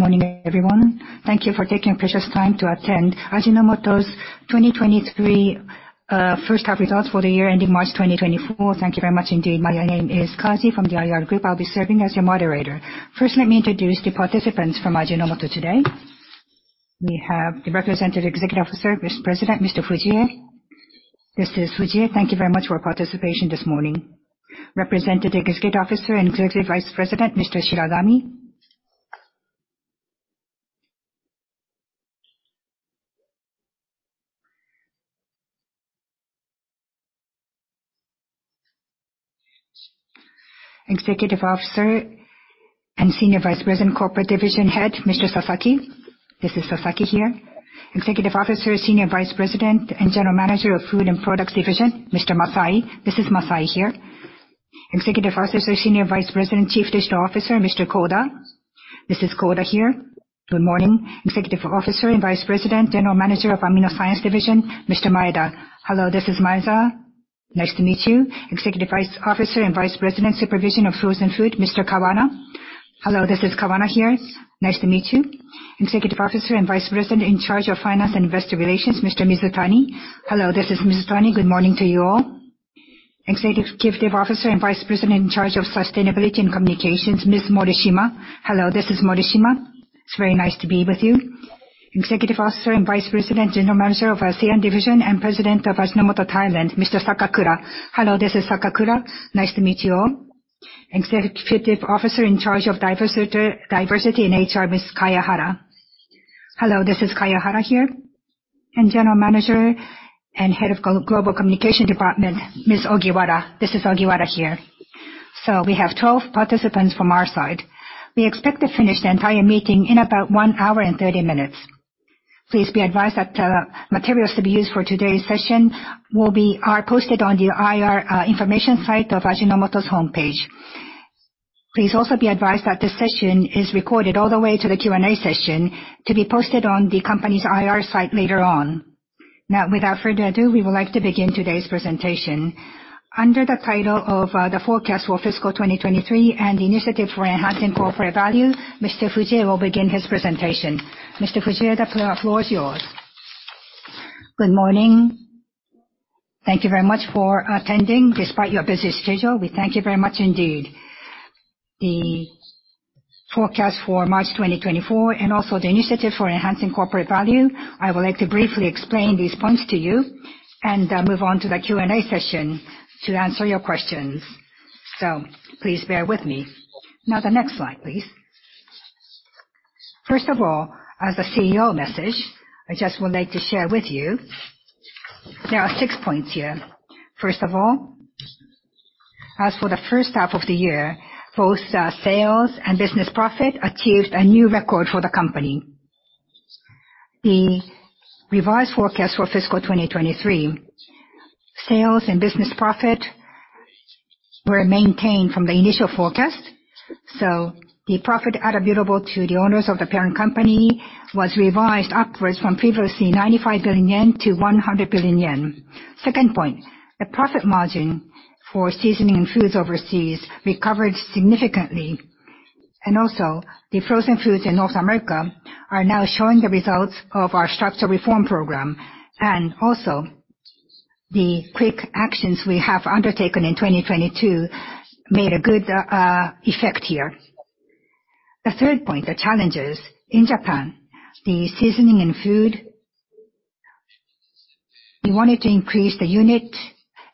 Good morning, everyone. Thank you for taking precious time to attend Ajinomoto's 2023 first half results for the year ending March 2024. Thank you very much indeed. My name is Kaji from the IR Group. I'll be serving as your moderator. First, let me introduce the participants from Ajinomoto today. We have the Representative Executive Officer, Vice President, Mr. Fujie. Mr. Fujie, thank you very much for participation this morning. Representative Executive Officer and Executive Vice President, Mr. Shiragami. Executive Officer and Senior Vice President, Corporate Division Head, Mr. Sasaki. This is Sasaki here. Executive Officer, Senior Vice President, and General Manager of Food Products Division, Mr. Masai. This is Masai here. Executive Officer, Senior Vice President, Chief Digital Officer, Mr. Koda. This is Koda here. Good morning. Executive Officer and Vice President, General Manager of AminoScience Division, Mr. Maeda. Hello, this is Maeda. Nice to meet you. Executive Officer and Vice President, Supervision of Frozen Foods, Mr. Kawana. Hello, this is Kawana here. Nice to meet you. Executive Officer and Vice President in charge of Finance and Investor Relations, Mr. Mizutani. Hello, this is Mizutani. Good morning to you all. Executive Officer and Vice President in charge of Sustainability and Communications, Ms. Morishima. Hello, this is Morishima. It's very nice to be with you. Executive Officer and Vice President, General Manager of ASEAN Division and President of Ajinomoto Thailand, Mr. Sakakura. Hello, this is Sakakura. Nice to meet you all. Executive Officer in charge of Diversity and HR, Ms. Kayahara. Hello, this is Kayahara here. And General Manager and Head of Global Communications Department, Ms. Ogiwara. This is Ogiwara here. So we have 12 participants from our side. We expect to finish the entire meeting in about one hour and thirty minutes. Please be advised that materials to be used for today's session are posted on the IR information site of Ajinomoto's homepage. Please also be advised that this session is recorded all the way to the Q&A session, to be posted on the company's IR site later on. Now, without further ado, we would like to begin today's presentation. Under the title of the forecast for fiscal 2023 and the initiative for enhancing corporate value, Mr. Fujie will begin his presentation. Mr. Fujie, the floor is yours. Good morning. Thank you very much for attending despite your busy schedule. We thank you very much indeed. The forecast for March 2024, and also the initiative for enhancing corporate value, I would like to briefly explain these points to you, and, move on to the Q&A session to answer your questions. So please bear with me. Now, the next slide, please. First of all, as a CEO message, I just would like to share with you, there are six points here. First of all, as for the first half of the year, both, sales and business profit achieved a new record for the company. The revised forecast for fiscal 2023, sales and business profit were maintained from the initial forecast, so the profit attributable to the owners of the parent company was revised upwards from previously 95 billion yen to 100 billion yen. Second point, the profit margin for Seasoning and Foods Overseas recovered significantly, and also the frozen foods in North America are now showing the results of our structural reform program. And also, the quick actions we have undertaken in 2022 made a good effect here. The third point, the challenges in Japan, the Seasoning and Food, we wanted to increase the unit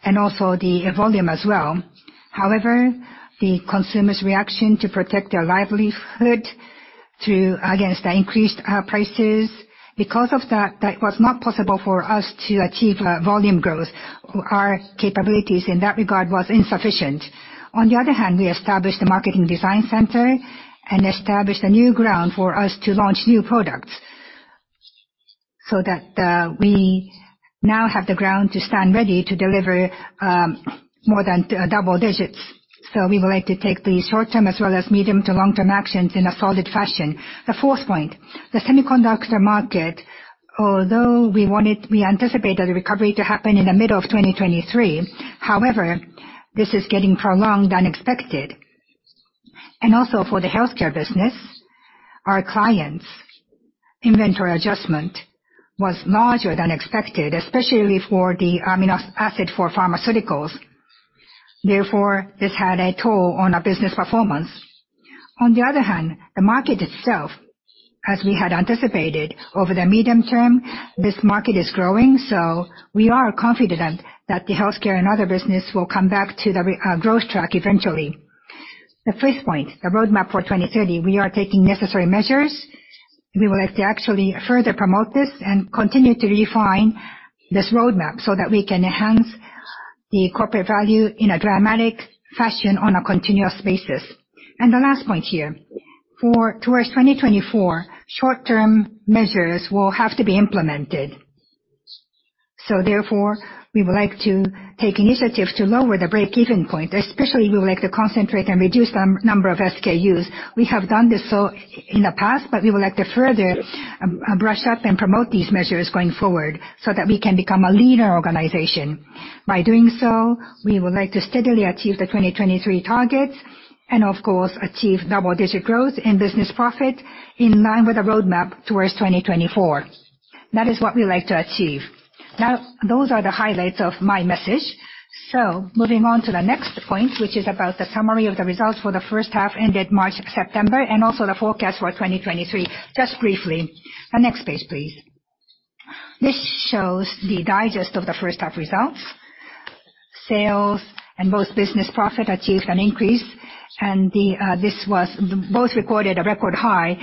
and also the volume as well. However, the consumers' reaction to protect their livelihood through against the increased prices, because of that, that was not possible for us to achieve volume growth. Our capabilities in that regard was insufficient. On the other hand, we established a marketing design center and established a new ground for us to launch new products, so that, we now have the ground to stand ready to deliver more than double digits. So we would like to take the short-term as well as medium- to long-term actions in a solid fashion. The fourth point, the semiconductor market, although we anticipated a recovery to happen in the middle of 2023, however, this is getting prolonged than expected. And also, for the Healthcare business, our clients' inventory adjustment was larger than expected, especially for the amino acid for pharmaceuticals. Therefore, this had a toll on our business performance. On the other hand, the market itself, as we had anticipated, over the medium term, this market is growing, so we are confident that the Healthcare and other business will come back to the growth track eventually. The fifth point, the roadmap for 2030, we are taking necessary measures. We would like to actually further promote this and continue to refine this roadmap, so that we can enhance the corporate value in a dramatic fashion on a continuous basis. The last point here, for towards 2024, short-term measures will have to be implemented. Therefore, we would like to take initiatives to lower the break-even point, especially we would like to concentrate and reduce the number of SKUs. We have done this so in the past, but we would like to further brush up and promote these measures going forward, so that we can become a leaner organization. By doing so, we would like to steadily achieve the 2023 targets, and of course, achieve double-digit growth in business profit in line with the roadmap towards 2024.... That is what we like to achieve. Now, those are the highlights of my message. So moving on to the next point, which is about the summary of the results for the first half, ended March, September, and also the forecast for 2023. Just briefly, the next page, please. This shows the digest of the first half results. Sales and both business profit achieved an increase, and the, this was both recorded a record high,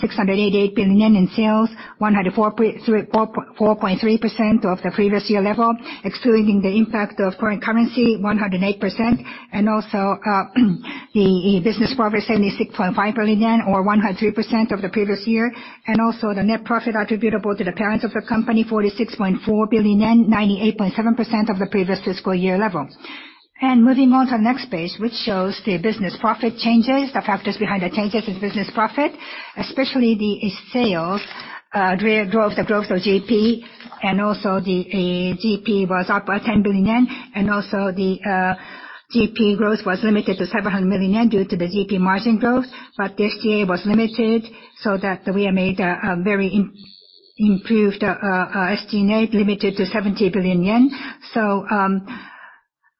688 billion in sales, 104.3% of the previous year level, excluding the impact of foreign currency, 108%. Also, the business profit, 76.5 billion yen, or 103% of the previous year, and also the net profit attributable to the parents of the company, 46.4 billion yen, 98.7% of the previous fiscal year level. Moving on to the next page, which shows the business profit changes. The factors behind the changes in business profit, especially the sales drive growth, the growth of GP, and also the GP was up by 10 billion yen, and also the GP growth was limited to 700 million yen due to the GP margin growth. But the SG&A was limited, so that we have made a very improved SG&A, limited to 70 billion yen. So,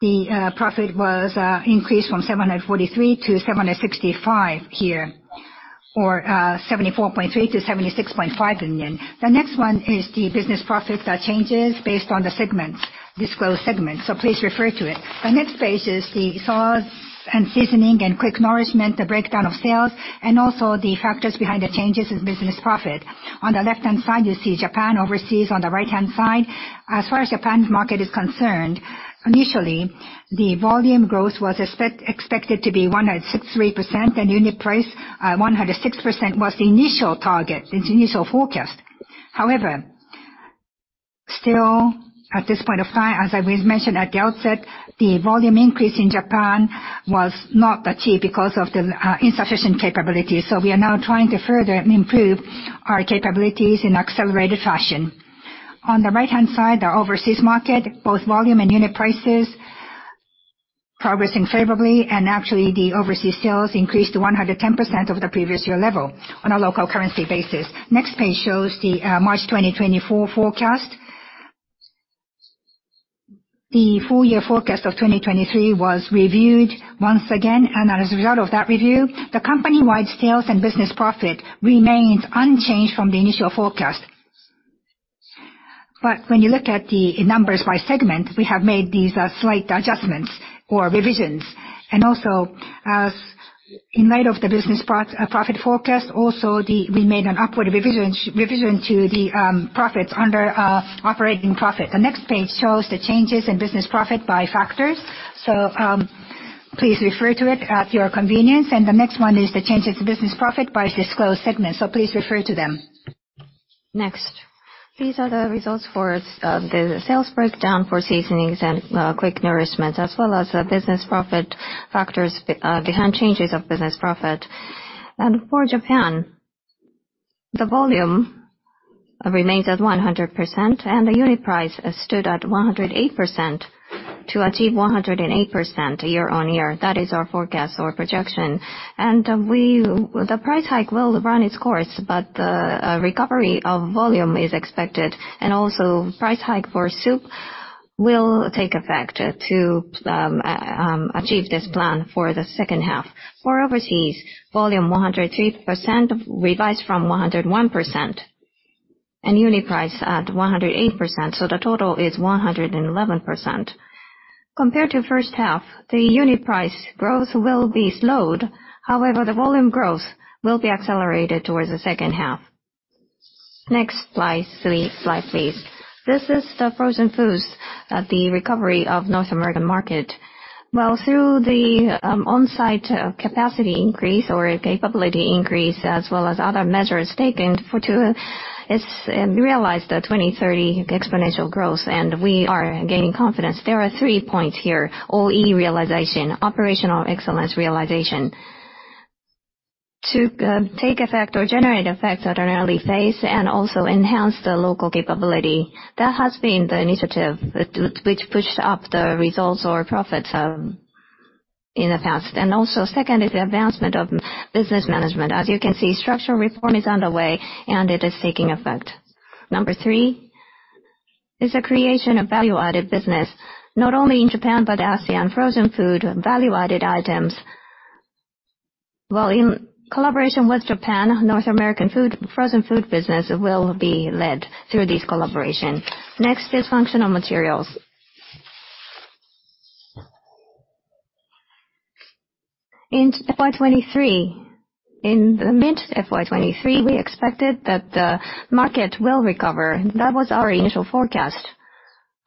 the profit was increased from 743 to 765 here, or 74.3 to 76.5 billion. The next one is the business profit that changes based on the segments, disclosed segments, so please refer to it. The next page is the sauce and seasoning and quick nourishment, the breakdown of sales, and also the factors behind the changes in business profit. On the left-hand side, you see Japan overseas, on the right-hand side. As far as Japan's market is concerned, initially, the volume growth was expected to be 163%, and unit price, one hundred and six percent was the initial target, its initial forecast. However, still, at this point of time, as I mentioned at the outset, the volume increase in Japan was not achieved because of the insufficient capabilities. So we are now trying to further improve our capabilities in accelerated fashion. On the right-hand side, the overseas market, both volume and unit prices, progressing favorably, and actually, the overseas sales increased to 110% of the previous year level on a local currency basis. Next page shows the March 2024 forecast. The full year forecast of 2023 was reviewed once again, and as a result of that review, the company-wide sales and business profit remains unchanged from the initial forecast. But when you look at the numbers by segment, we have made these slight adjustments or revisions. And also, as in light of the business profit forecast, also the, we made an upward revision, revision to the profits under operating profit. The next page shows the changes in business profit by factors, so please refer to it at your convenience. The next one is the changes to business profit by disclosed segments, so please refer to them. Next, these are the results for the sales breakdown for seasonings and quick nourishment, as well as the business profit factors behind changes of business profit. For Japan, the volume remains at 100%, and the unit price stood at 108% to achieve 108% year-on-year. That is our forecast or projection. The price hike will run its course, but the recovery of volume is expected, and also price hike for soup will take effect to achieve this plan for the second half. For overseas, volume 103%, revised from 101%, and unit price at 108%, so the total is 111%. Compared to first half, the unit price growth will be slowed. However, the volume growth will be accelerated towards the second half. Next slide, please. Slide, please. This is the frozen foods, the recovery of North American market. Well, through the, on-site, capacity increase or capability increase, as well as other measures taken for to, it's, realize the 2030 exponential growth, and we are gaining confidence. There are three points here: OE realization, operational excellence realization. To, take effect or generate effect at an early phase and also enhance the local capability, that has been the initiative which pushed up the results or profits, in the past. Also, second is the advancement of business management. As you can see, structural reform is underway, and it is taking effect. Number three is the creation of value-added business, not only in Japan, but ASEAN frozen food, value-added items. Well, in collaboration with Japan, North American food, frozen food business will be led through this collaboration. Next, is Functional Materials. In FY 2023, in the mid FY 2023, we expected that the market will recover. That was our initial forecast.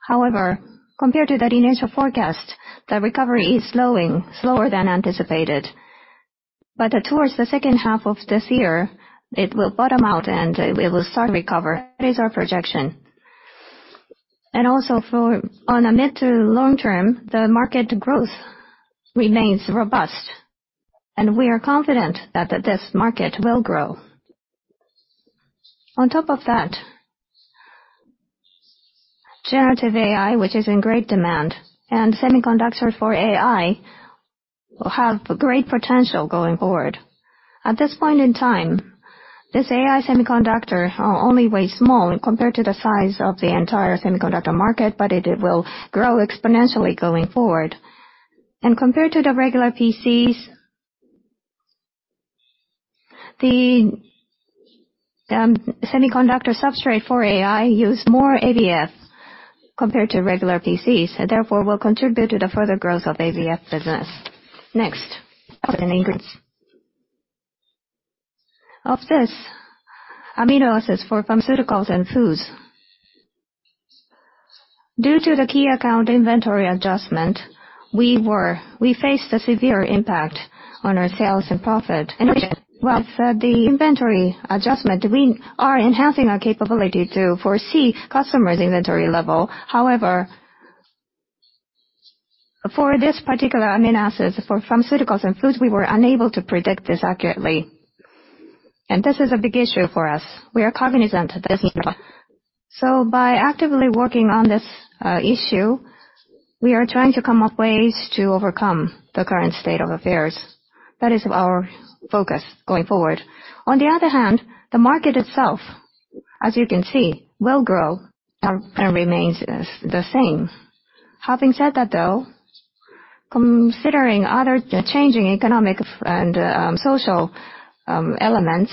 However, compared to that initial forecast, the recovery is slowing, slower than anticipated. But, towards the second half of this year, it will bottom out, and it will start to recover. That is our projection. And also for on a mid to long term, the market growth remains robust, and we are confident that the test market will grow. On top of that-... Generative AI, which is in great demand, and semiconductors for AI will have great potential going forward. At this point in time, this AI semiconductor only weighs small compared to the size of the entire semiconductor market, but it will grow exponentially going forward. Compared to the regular PCs, the semiconductor substrate for AI uses more ABF compared to regular PCs, and therefore will contribute to the further growth of ABF business. Next, of this, amino acids for pharmaceuticals and foods. Due to the key account inventory adjustment, we faced a severe impact on our sales and profit. With the inventory adjustment, we are enhancing our capability to foresee customers' inventory level. However, for this particular amino acids for pharmaceuticals and foods, we were unable to predict this accurately, and this is a big issue for us. We are cognizant of this. So by actively working on this, issue, we are trying to come up ways to overcome the current state of affairs. That is our focus going forward. On the other hand, the market itself, as you can see, will grow and remains the same. Having said that, though, considering other changing economic and social elements,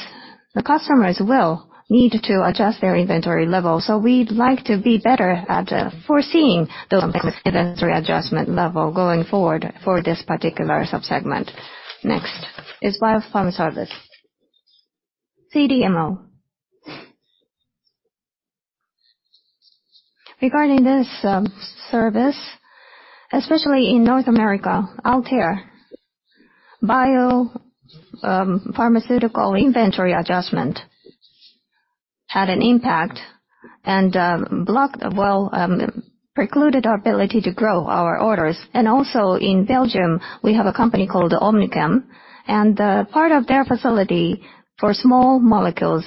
the customers will need to adjust their inventory level. So we'd like to be better at foreseeing the inventory adjustment level going forward for this particular sub-segment. Next is Bio-Pharma Services, CDMO. Regarding this service, especially in North America, Althea biopharmaceutical inventory adjustment had an impact and blocked, well, precluded our ability to grow our orders. And also in Belgium, we have a company called OmniChem, and part of their facility for small molecules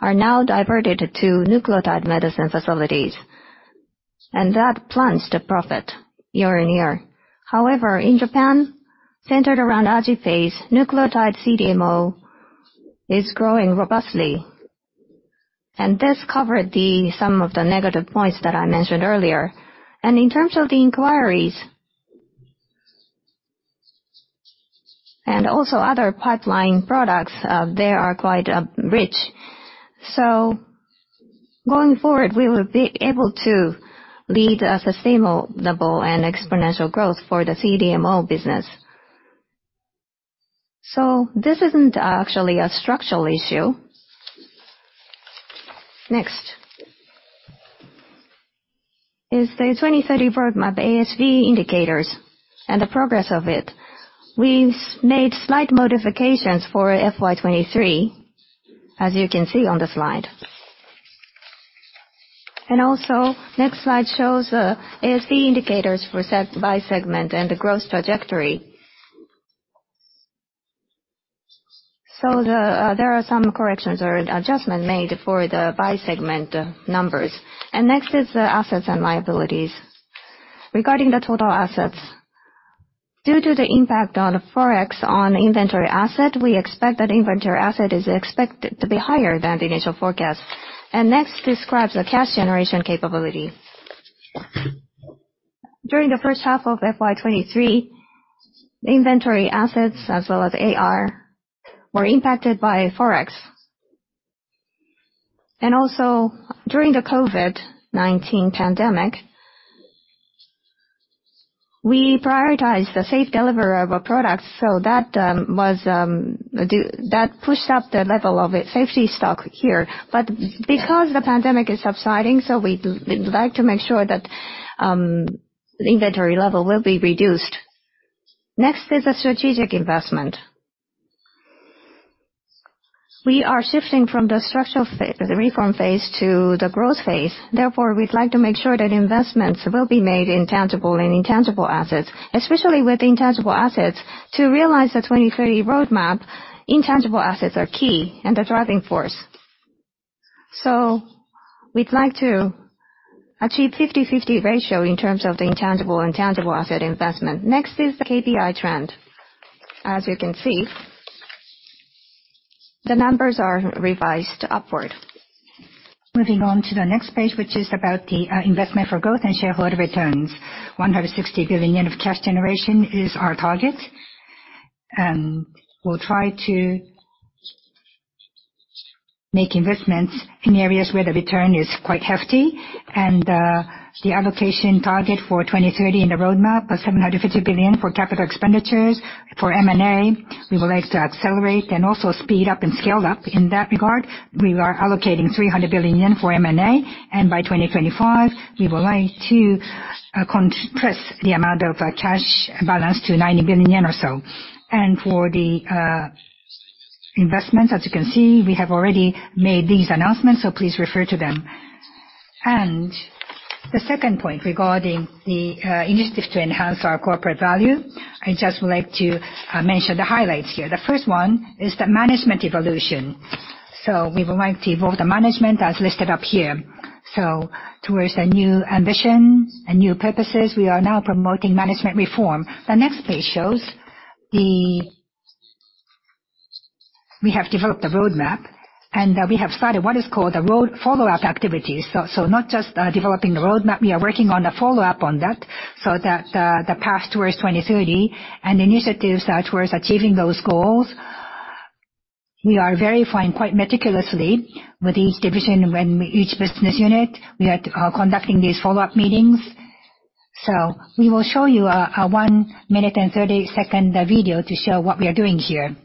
are now diverted to nucleotide medicine facilities, and that plunged the profit year-on-year. However, in Japan, centered around Ajinomoto's nucleotide CDMO, is growing robustly, and this covered some of the negative points that I mentioned earlier. And in terms of the inquiries, and also other pipeline products, they are quite rich. So going forward, we will be able to lead a sustainable and exponential growth for the CDMO business. So this isn't actually a structural issue. Next is the 2030 roadmap, ASV indicators and the progress of it. We've made slight modifications for FY 2023, as you can see on the slide. And also, next slide shows the ASV indicators set by segment and the growth trajectory. So there are some corrections or an adjustment made for the by segment numbers. Next is the assets and liabilities. Regarding the total assets, due to the impact on the Forex on inventory asset, we expect that inventory asset is expected to be higher than the initial forecast, and next describes the cash generation capability. During the first half of FY 2023, inventory assets as well as AR were impacted by Forex. And also, during the COVID-19 pandemic, we prioritized the safe delivery of our products, so that pushed up the level of safety stock here. But because the pandemic is subsiding, we'd like to make sure that inventory level will be reduced. Next is a strategic investment. We are shifting from the structural the reform phase to the growth phase. Therefore, we'd like to make sure that investments will be made in tangible and intangible assets, especially with intangible assets. To realize the 2030 roadmap, intangible assets are key and the driving force. So we'd like to achieve 50/50 ratio in terms of the intangible and tangible asset investment. Next is the KPI trend. As you can see, the numbers are revised upward. Moving on to the next page, which is about the investment for growth and shareholder returns. 160 billion yen of cash generation is our target, and we'll try to make investments in areas where the return is quite hefty. And the allocation target for 2030 in the roadmap was 750 billion for capital expenditures. For M&A, we would like to accelerate and also speed up and scale up. In that regard, we are allocating 300 billion yen for M&A, and by 2025, we would like to compress the amount of cash balance to 90 billion yen or so. And for the investment, as you can see, we have already made these announcements, so please refer to them. And the second point, regarding the initiative to enhance our corporate value, I'd just would like to mention the highlights here. The first one is the management evolution.... So we would like to involve the management as listed up here. So towards a new ambition, a new purpose, we are now promoting management reform. The next page shows the, we have developed a roadmap, and we have started what is called the roadmap follow-up activities. So, not just developing the roadmap, we are working on the follow-up on that, so that the path towards 2030 and initiatives towards achieving those goals, we are verifying quite meticulously with each division and each business unit. We are conducting these follow-up meetings. So we will show you a 1 minute and 30 second video to show what we are doing here.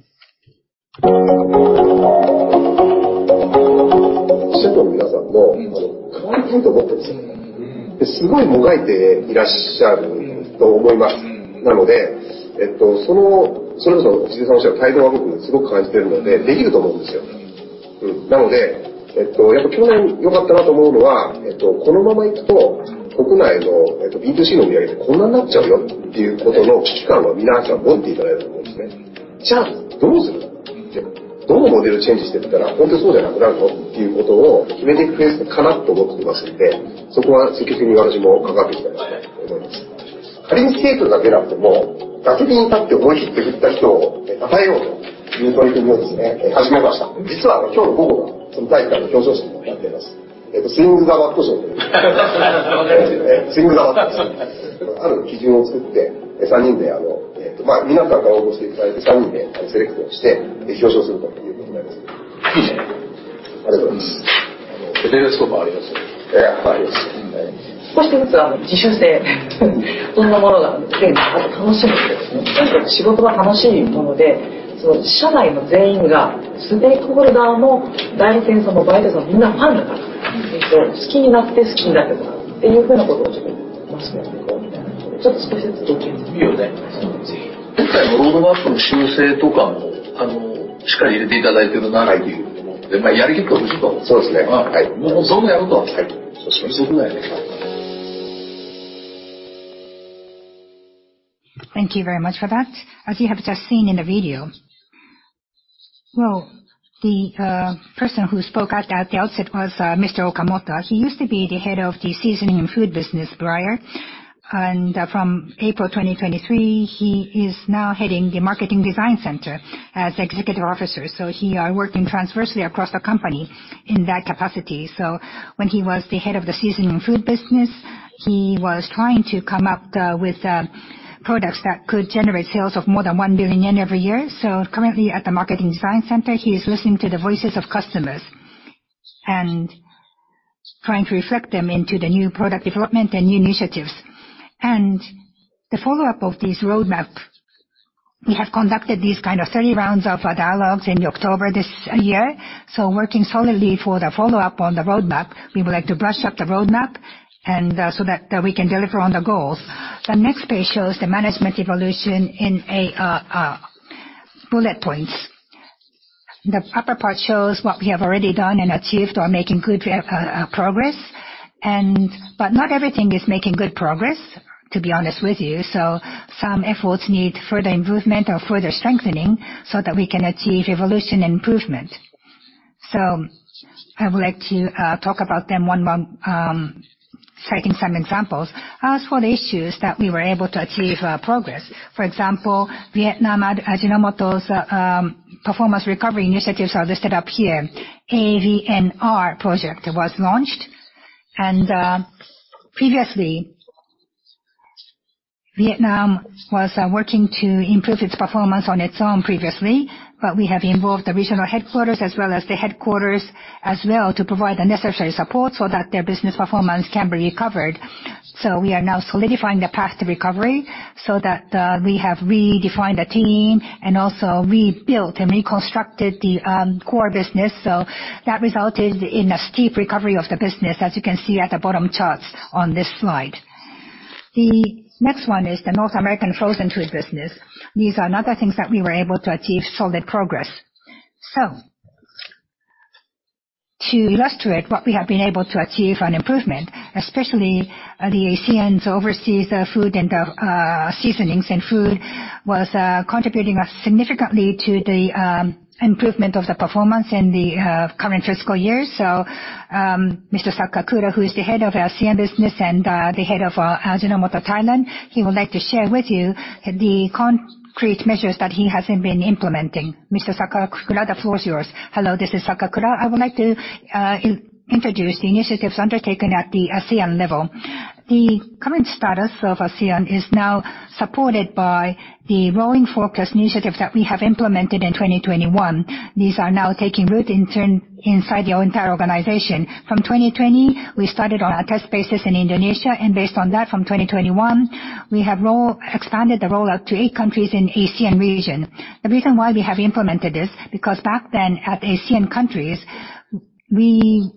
After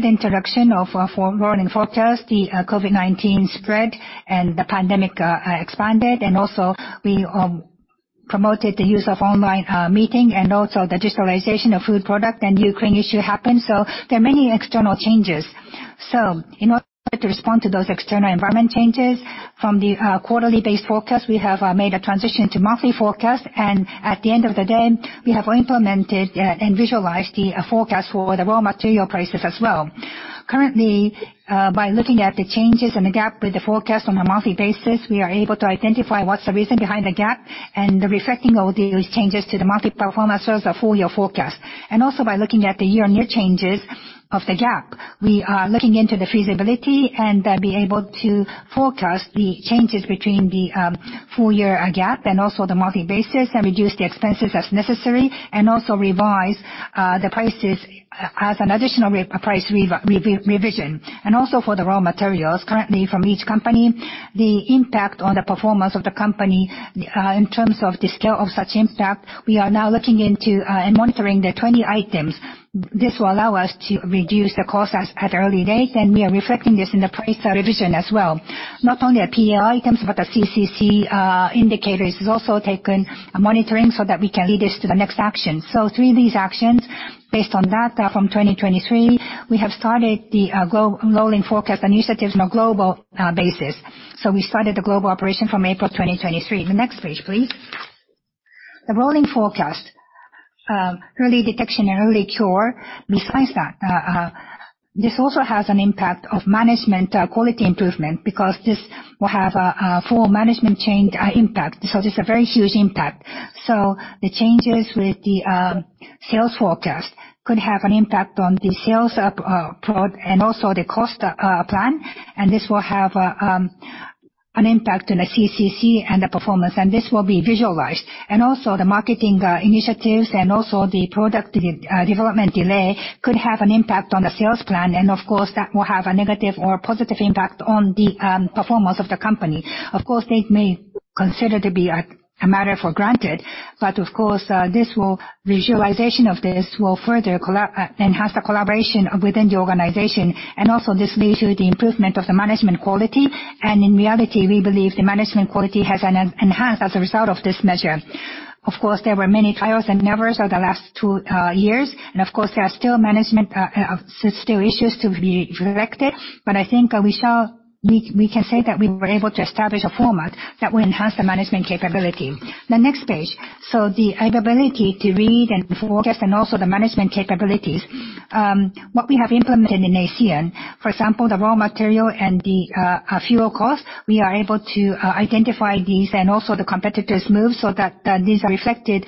the introduction of rolling forecast, the COVID-19 spread and the pandemic expanded, and also we promoted the use of online meeting and also the digitalization of food product and Ukraine issue happened. There are many external changes. In order to respond to those external environment changes, from the quarterly based forecast, we have made a transition to monthly forecast. At the end of the day, we have implemented and visualized the forecast for the raw material prices as well. Currently, by looking at the changes and the gap with the forecast on a monthly basis, we are able to identify what's the reason behind the gap, and reflecting all these changes to the monthly performance as a full year forecast. Also by looking at the year-on-year changes of the gap, we are looking into the feasibility and be able to forecast the changes between the full year gap and also the monthly basis, and reduce the expenses as necessary, and also revise the prices as an additional price revision. Also for the raw materials, currently from each company, the impact on the performance of the company in terms of the scale of such impact, we are now looking into and monitoring the 20 items. This will allow us to reduce the cost as at an early date, and we are reflecting this in the price revision as well. Not only the P&L items, but the CCC indicators is also taken monitoring so that we can lead this to the next action. So through these actions, based on data from 2023, we have started the global rolling forecast initiatives on a global basis. So we started the global operation from April 2023. The next page, please. The rolling forecast early detection and early cure. Besides that, this also has an impact of management quality improvement, because this will have a full management chain impact. So this is a very huge impact. So the changes with the sales forecast could have an impact on the sales and also the cost plan, and this will have an impact on the CCC and the performance, and this will be visualized. And also the marketing initiatives and also the product development delay could have an impact on the sales plan, and of course that will have a negative or positive impact on the performance of the company. Of course, they may consider to be a matter for granted, but of course, visualization of this will further enhance the collaboration within the organization, and also this leads to the improvement of the management quality. And in reality, we believe the management quality has enhanced as a result of this measure. Of course, there were many trials and errors over the last two years, and of course, there are still management still issues to be corrected, but I think we can say that we were able to establish a format that will enhance the management capability. The next page. So the ability to read and forecast and also the management capabilities, what we have implemented in ASEAN, for example, the raw material and the fuel cost, we are able to identify these and also the competitors' moves, so that these are reflected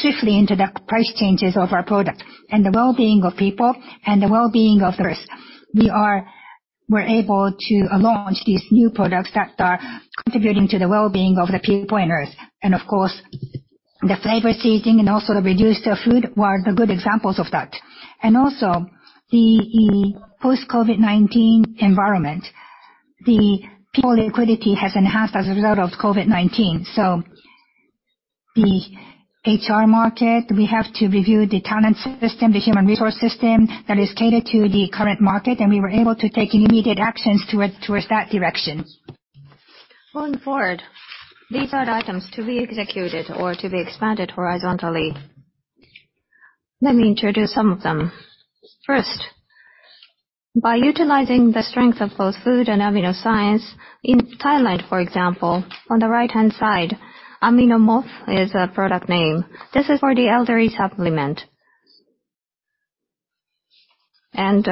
swiftly into the price changes of our product. And the well-being of people and the well-being of the earth. We're able to launch these new products that are contributing to the well-being of the people on Earth. And of course, the flavor seasoning and also the reduced food were the good examples of that. And also, the post-COVID-19 environment, the people liquidity has enhanced as a result of COVID-19. The HR market, we have to review the talent system, the human resource system that is catered to the current market, and we were able to take immediate actions towards that direction. Going forward, these are the items to be executed or to be expanded horizontally. Let me introduce some of them. First, by utilizing the strength of both food and amino science, in Thailand, for example, on the right-hand side, aminoMOF is a product name. This is for the elderly supplement. And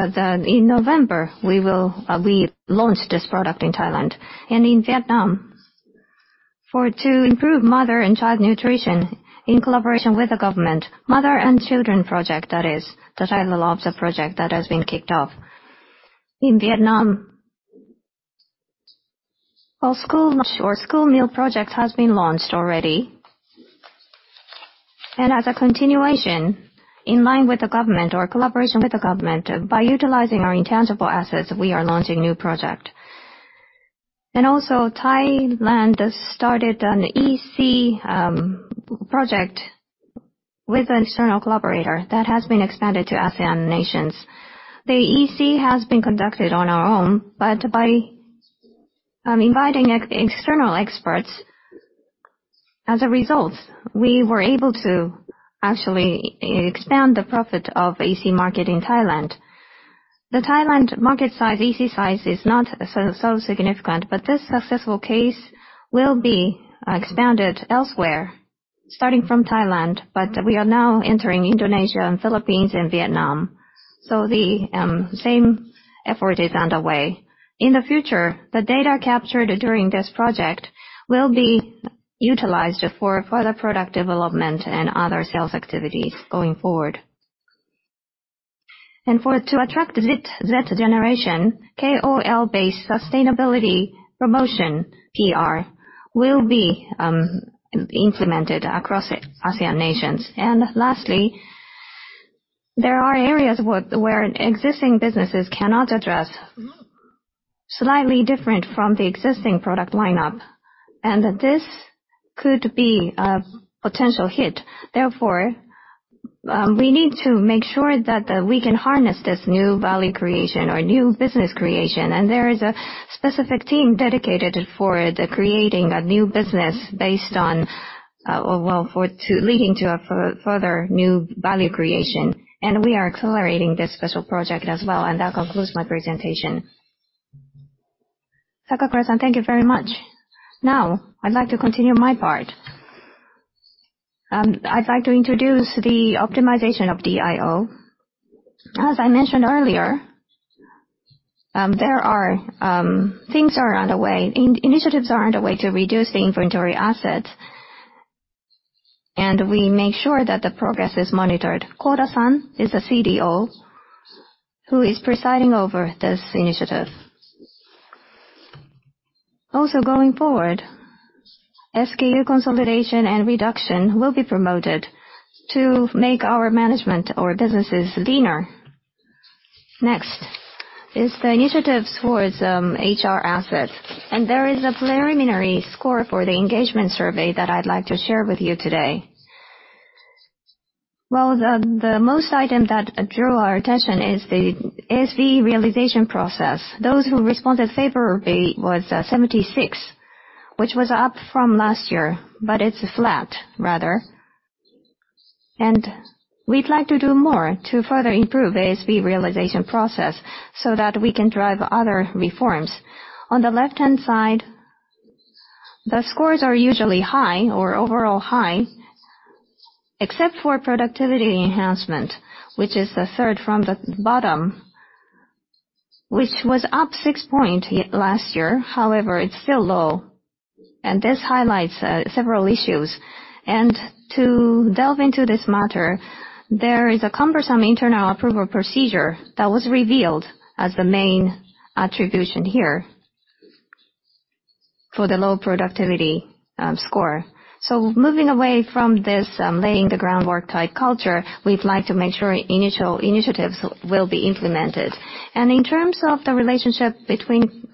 in November, we launched this product in Thailand. And in Vietnam, to improve mother and child nutrition, in collaboration with the government, Mother and Child Project, that is, the title of the project that has been kicked off. In Vietnam, well, school lunch or school meal project has been launched already. And as a continuation, in line with the government or collaboration with the government, by utilizing our Intangible Assets, we are launching new project. And also, Thailand has started an EC project with an external collaborator that has been expanded to ASEAN nations. The EC has been conducted on our own, but by inviting external experts, as a result, we were able to actually expand the profit of EC market in Thailand. The Thailand market size, EC size, is not so, so significant, but this successful case will be expanded elsewhere, starting from Thailand, but we are now entering Indonesia and Philippines and Vietnam. So the same effort is underway. In the future, the data captured during this project will be utilized for further product development and other sales activities going forward. And for to attract the Z generation, KOL-based sustainability promotion PR will be implemented across ASEAN nations. And lastly, there are areas where existing businesses cannot address slightly different from the existing product lineup, and this could be a potential hit. Therefore, we need to make sure that we can harness this new value creation or new business creation, and there is a specific team dedicated for the creating of new business based on, well, for leading to a further new value creation. And we are accelerating this special project as well. And that concludes my presentation. Sakakura-san, thank you very much. Now, I'd like to continue my part. I'd like to introduce the optimization of DIO. As I mentioned earlier, there are initiatives underway to reduce the inventory assets, and we make sure that the progress is monitored. Koda-san is a CDO who is presiding over this initiative. Also, going forward, SKU consolidation and reduction will be promoted to make our management or businesses leaner. Next is the initiatives towards HR assets, and there is a preliminary score for the engagement survey that I'd like to share with you today. Well, the most item that drew our attention is the ASV realization process. Those who responded favorably was 76, which was up from last year, but it's flat, rather. And we'd like to do more to further improve ASV realization process so that we can drive other reforms. On the left-hand side, the scores are usually high or overall high, except for productivity enhancement, which is the third from the bottom, which was up six points from last year. However, it's still low, and this highlights several issues. To delve into this matter, there is a cumbersome internal approval procedure that was revealed as the main attribution here for the low productivity score. Moving away from this, laying the groundwork type culture, we'd like to make sure initial initiatives will be implemented. In terms of the relationship between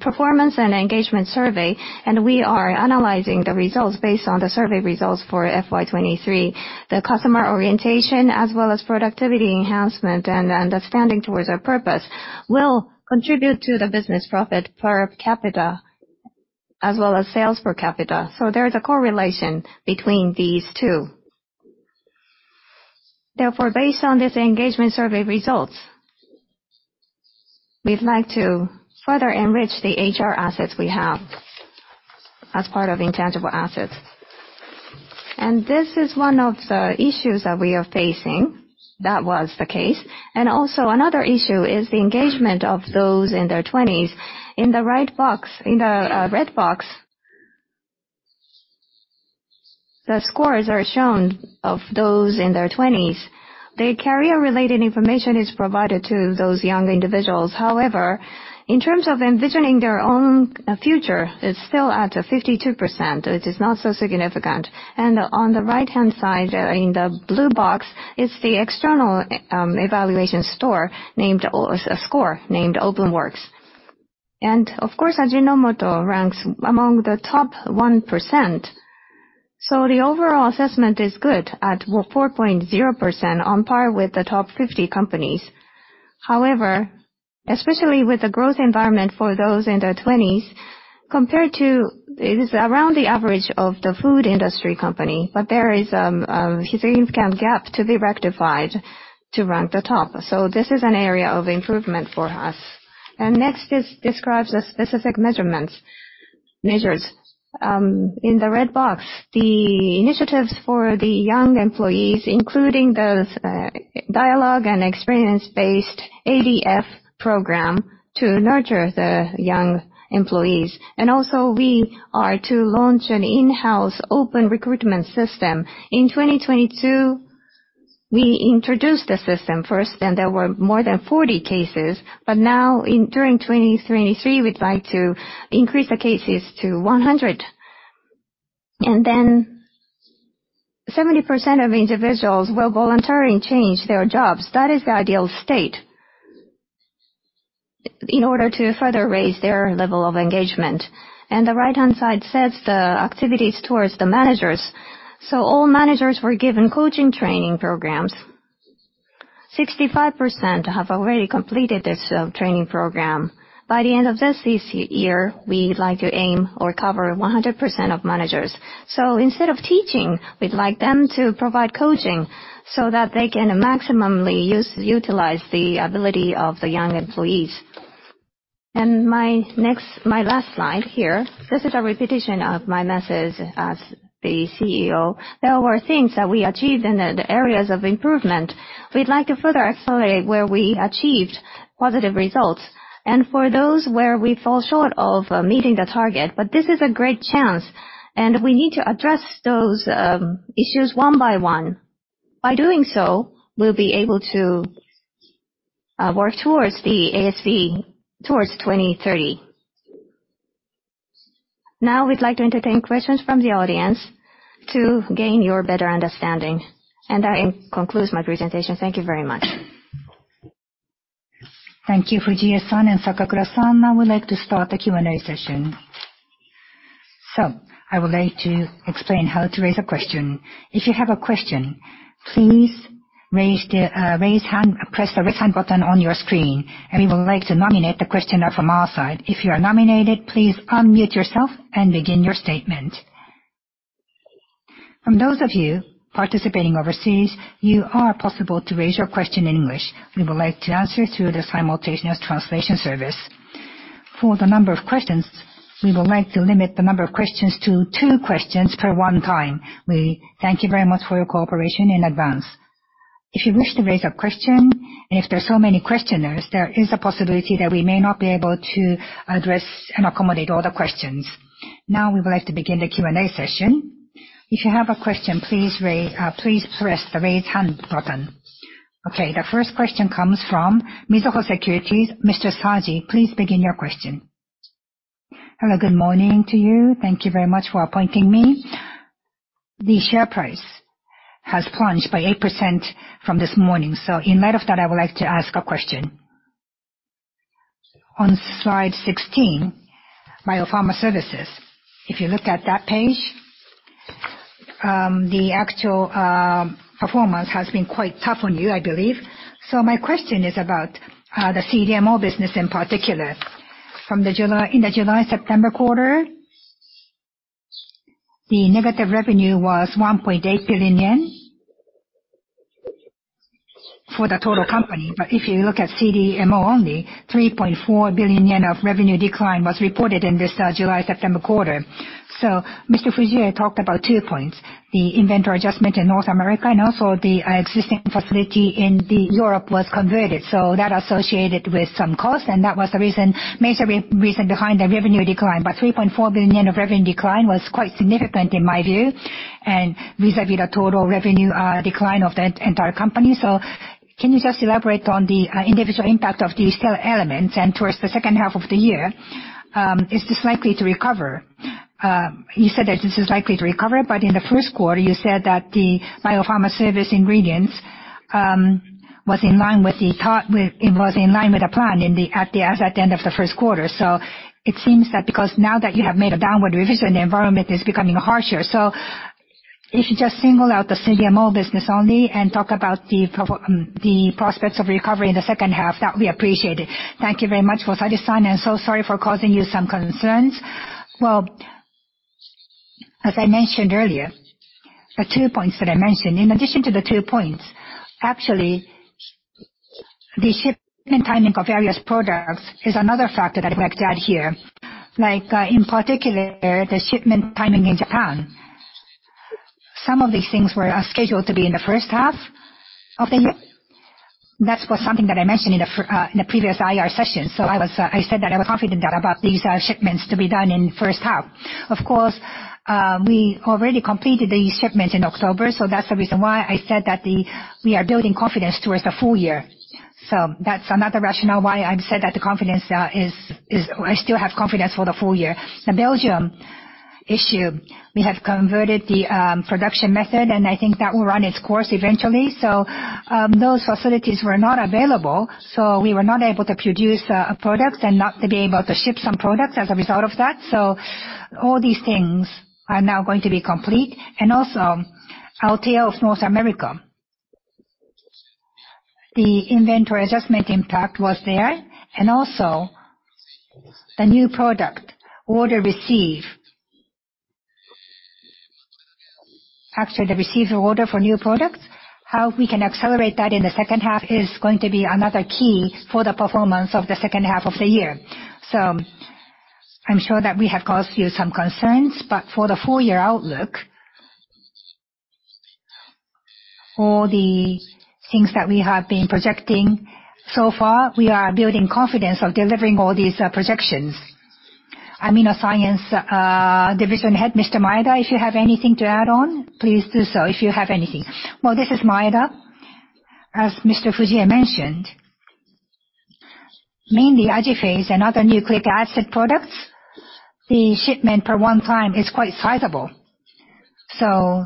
performance and engagement survey, we are analyzing the results based on the survey results for FY 2023. The customer orientation, as well as productivity enhancement and understanding towards our purpose, will contribute to the business profit per capita, as well as sales per capita. So there is a correlation between these two. Therefore, based on this engagement survey results, we'd like to further enrich the HR assets we have as part of Intangible Assets. This is one of the issues that we are facing. That was the case. And also, another issue is the engagement of those in their twenties. In the right box, in the red box, the scores are shown of those in their twenties. The career-related information is provided to those young individuals. However, in terms of envisioning their own future, it's still at a 52%. It is not so significant. And on the right-hand side, in the blue box, it's the external evaluation store, named score, named OpenWork. And of course, Ajinomoto ranks among the top 1%, so the overall assessment is good at 4.0%, on par with the top 50 companies. However, especially with the growth environment for those in their twenties, compared to... It is around the average of the food industry company, but there is a significant gap to be rectified to rank the top. So this is an area of improvement for us. And next, this describes the specific measurements, measures. In the red box, the initiatives for the young employees, including the, dialogue and experience-based ABF program to nurture the young employees. And also, we are to launch an in-house open recruitment system. In 2022, we introduced the system first, and there were more than 40 cases, but now in, during 2023, we'd like to increase the cases to 100. And then 70% of individuals will voluntarily change their jobs. That is the ideal state in order to further raise their level of engagement. And the right-hand side sets the activities towards the managers. So all managers were given coaching training programs. 65% have already completed this training program. By the end of this year, we'd like to aim or cover 100% of managers. So instead of teaching, we'd like them to provide coaching so that they can maximumly use, utilize the ability of the young employees. And my next, my last slide here, this is a repetition of my message as the CEO. There were things that we achieved in the areas of improvement. We'd like to further accelerate where we achieved positive results, and for those where we fall short of meeting the target. But this is a great chance, and we need to address those issues one by one. By doing so, we'll be able to work towards the ASV, towards 2030.... Now we'd like to entertain questions from the audience to gain your better understanding. That concludes my presentation. Thank you very much. Thank you, Fujie-san and Sakakura-san. Now we'd like to start the Q&A session. I would like to explain how to raise a question. If you have a question, please raise hand, press the Raise Hand button on your screen, and we would like to nominate the questioner from our side. If you are nominated, please unmute yourself and begin your statement. From those of you participating overseas, you are possible to raise your question in English. We would like to answer through the simultaneous translation service. For the number of questions, we would like to limit the number of questions to two questions per one time. We thank you very much for your cooperation in advance. If you wish to raise a question, and if there are so many questioners, there is a possibility that we may not be able to address and accommodate all the questions. Now, we would like to begin the Q&A session. If you have a question, please raise, please press the Raise Hand button. Okay, the first question comes from Mizuho Securities. Mr. Saji, please begin your question. Hello, good morning to you. Thank you very much for appointing me. The share price has plunged by 8% from this morning, so in light of that, I would like to ask a question. On slide 16, Biopharma Services, if you look at that page, the actual performance has been quite tough on you, I believe. So my question is about the CDMO business in particular. From the July, in the July-September quarter, the negative revenue was 1.8 billion yen for the total company. But if you look at CDMO only, 3.4 billion yen of revenue decline was reported in this July-September quarter. So Mr. Fujie talked about two points, the inventory adjustment in North America, and also the existing facility in Europe was converted, so that associated with some cost, and that was the reason, major reason behind the revenue decline. But 3.4 billion yen of revenue decline was quite significant in my view, and vis-à-vis the total revenue decline of the entire company. So can you just elaborate on the individual impact of these elements? And towards the second half of the year, is this likely to recover? You said that this is likely to recover, but in the first quarter, you said that the biopharma service ingredients was in line with the thought with- it was in line with the plan in the, at the, as at the end of the first quarter. So it seems that because now that you have made a downward revision, the environment is becoming harsher. So if you just single out the CDMO business only and talk about the profo- um, the prospects of recovery in the second half, that would be appreciated. Thank you very much for Saji-san, and so sorry for causing you some concerns. Well, as I mentioned earlier, the two points that I mentioned, in addition to the two points, actually, the shipment timing of various products is another factor that we have to add here. Like, in particular, the shipment timing in Japan. Some of these things were scheduled to be in the first half of the year. That was something that I mentioned in the previous IR session. So I said that I was confident about these shipments to be done in first half. Of course, we already completed the shipment in October, so that's the reason why I said that we are building confidence towards the full year. So that's another rationale why I've said that the confidence is. I still have confidence for the full year. The Belgium issue, we have converted the production method, and I think that will run its course eventually. So those facilities were not available, so we were not able to produce products and not to be able to ship some products as a result of that. So all these things are now going to be complete. And also, Althea of North America, the inventory adjustment impact was there, and also the new product order received. After the received order for new products, how we can accelerate that in the second half is going to be another key for the performance of the second half of the year. So I'm sure that we have caused you some concerns, but for the full year outlook, all the things that we have been projecting so far, we are building confidence of delivering all these projections. Amino Science division head, Mr. Maeda, if you have anything to add on, please do so, if you have anything. Well, this is Maeda. As Mr. Fujie mentioned, mainly AJIPHASE and other nucleic acid products, the shipment per one time is quite sizable. So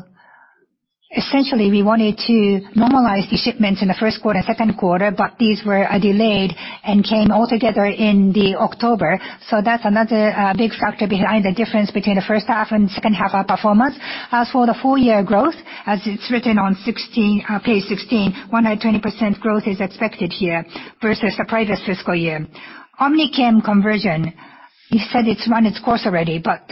essentially, we wanted to normalize the shipments in the first quarter and second quarter, but these were delayed and came all together in October. So that's another big factor behind the difference between the first half and second half of performance. As for the full year growth, as it's written on 16, page 16, 120% growth is expected here versus the previous fiscal year. OmniChem conversion, you said it's run its course already, but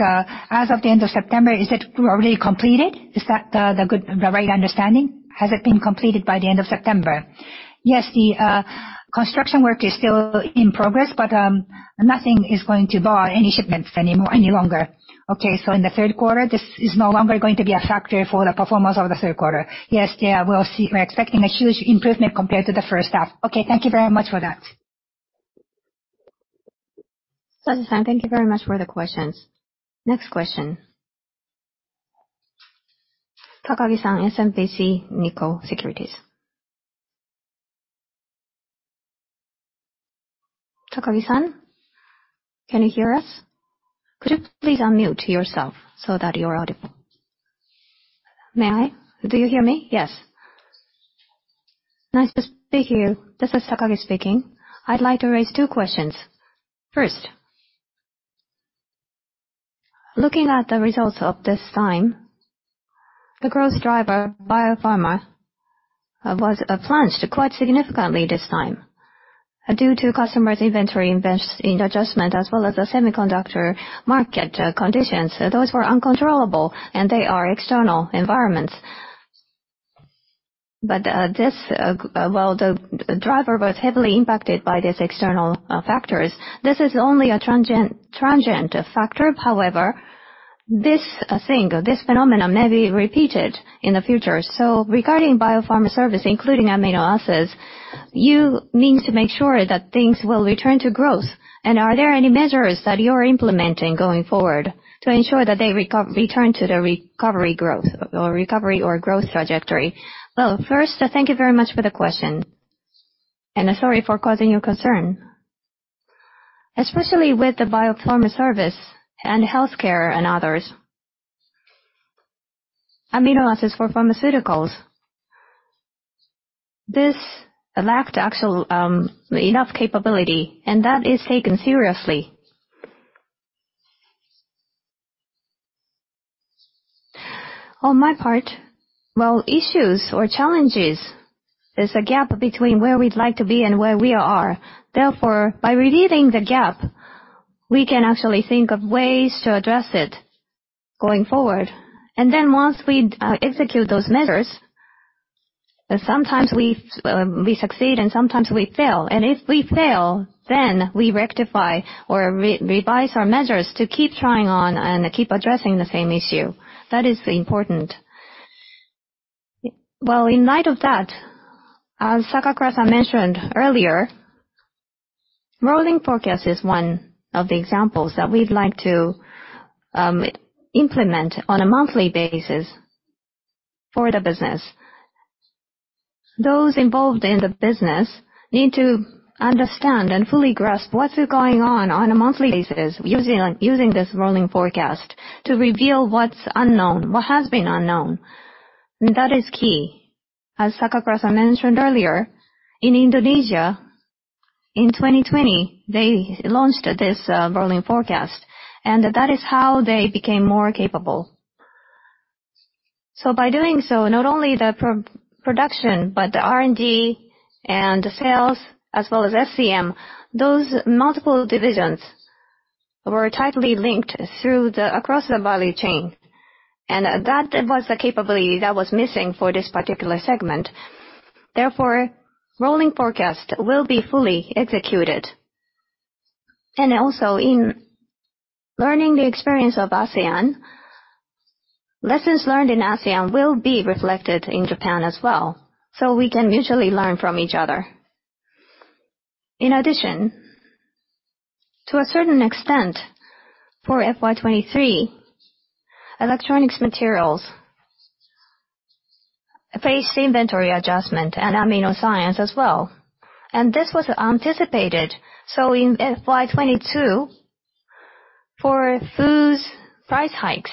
as of the end of September, is it already completed? Is that the good, the right understanding? Has it been completed by the end of September? Yes, the construction work is still in progress, but nothing is going to bar any shipments anymore, any longer. Okay. So in the third quarter, this is no longer going to be a factor for the performance of the third quarter? Yes, yeah, we'll see. We're expecting a huge improvement compared to the first half. Okay, thank you very much for that. Saji-san, thank you very much for the questions. Next question. Takagi-san, SMBC Nikko Securities.... Takagi-san, can you hear us? Could you please unmute yourself so that you are audible? May I? Do you hear me? Yes. Nice to speak to you. This is Takagi speaking. I'd like to raise two questions. First, looking at the results of this time, the growth driver, biopharma, was plunged quite significantly this time due to customers' inventory invest-in adjustment, as well as the semiconductor market conditions. Those were uncontrollable, and they are external environments. But, this, well, the driver was heavily impacted by these external factors. This is only a transient, transient factor. However, this thing or this phenomenon may be repeated in the future. So regarding biopharma service, including amino acids, you need to make sure that things will return to growth. And are there any measures that you're implementing going forward to ensure that they recover, return to the recovery growth or recovery or growth trajectory? Well, first, thank you very much for the question, and sorry for causing you concern. Especially with the biopharma service and healthcare and others, amino acids for pharmaceuticals, this lacked actual, enough capability, and that is taken seriously. On my part, well, issues or challenges, there's a gap between where we'd like to be and where we are. Therefore, by relieving the gap, we can actually think of ways to address it going forward. And then once we, execute those measures, sometimes we, we succeed and sometimes we fail. And if we fail, then we rectify or re-revise our measures to keep trying on and keep addressing the same issue. That is important. Well, in light of that, as Sakakura mentioned earlier, rolling forecast is one of the examples that we'd like to implement on a monthly basis for the business. Those involved in the business need to understand and fully grasp what is going on, on a monthly basis, using, using this rolling forecast to reveal what's unknown, what has been unknown. That is key. As Sakakura mentioned earlier, in Indonesia, in 2020, they launched this rolling forecast, and that is how they became more capable. So by doing so, not only the production, but the R&D and the sales, as well as SCM, those multiple divisions were tightly linked through the, across the value chain, and that was the capability that was missing for this particular segment. Therefore, rolling forecast will be fully executed. Also, in learning the experience of ASEAN, lessons learned in ASEAN will be reflected in Japan as well, so we can mutually learn from each other. In addition, to a certain extent, for FY 2023, electronic materials faced inventory adjustment and amino science as well. This was anticipated. So in FY 2022, for foods, price hikes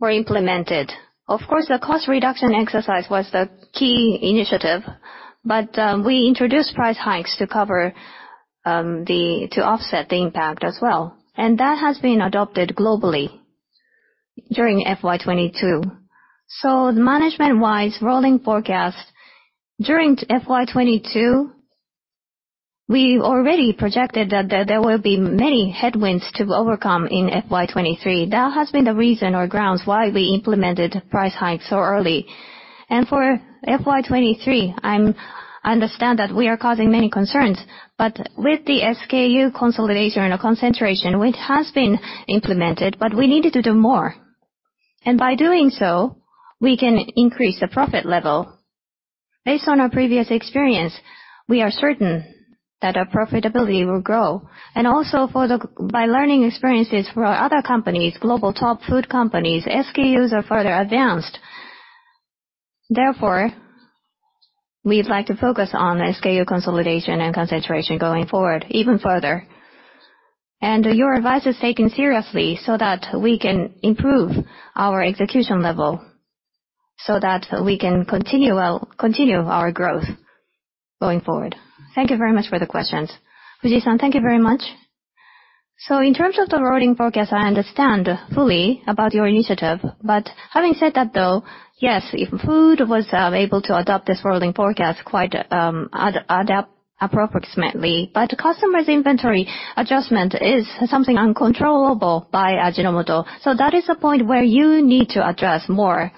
were implemented. Of course, the cost reduction exercise was the key initiative, but we introduced price hikes to cover to offset the impact as well. That has been adopted globally during FY 2022. So management-wise, rolling forecast during FY 2022, we already projected that there will be many headwinds to overcome in FY 2023. That has been the reason or grounds why we implemented price hikes so early. For FY 2023, I'm- I understand that we are causing many concerns, but with the SKU consolidation or concentration, which has been implemented, but we needed to do more. By doing so, we can increase the profit level. Based on our previous experience, we are certain that our profitability will grow. Also, by learning experiences from other companies, global top food companies, SKUs are further advanced. Therefore, we'd like to focus on SKU consolidation and concentration going forward, even further. Your advice is taken seriously so that we can improve our execution level, so that we can continue our growth going forward. Thank you very much for the questions. Fujiwara, thank you very much. So in terms of the rolling forecast, I understand fully about your initiative, but having said that, though, yes, if food was able to adopt this rolling forecast quite approximately, but customers' inventory adjustment is something uncontrollable by Ajinomoto. So that is a point where you need to address more.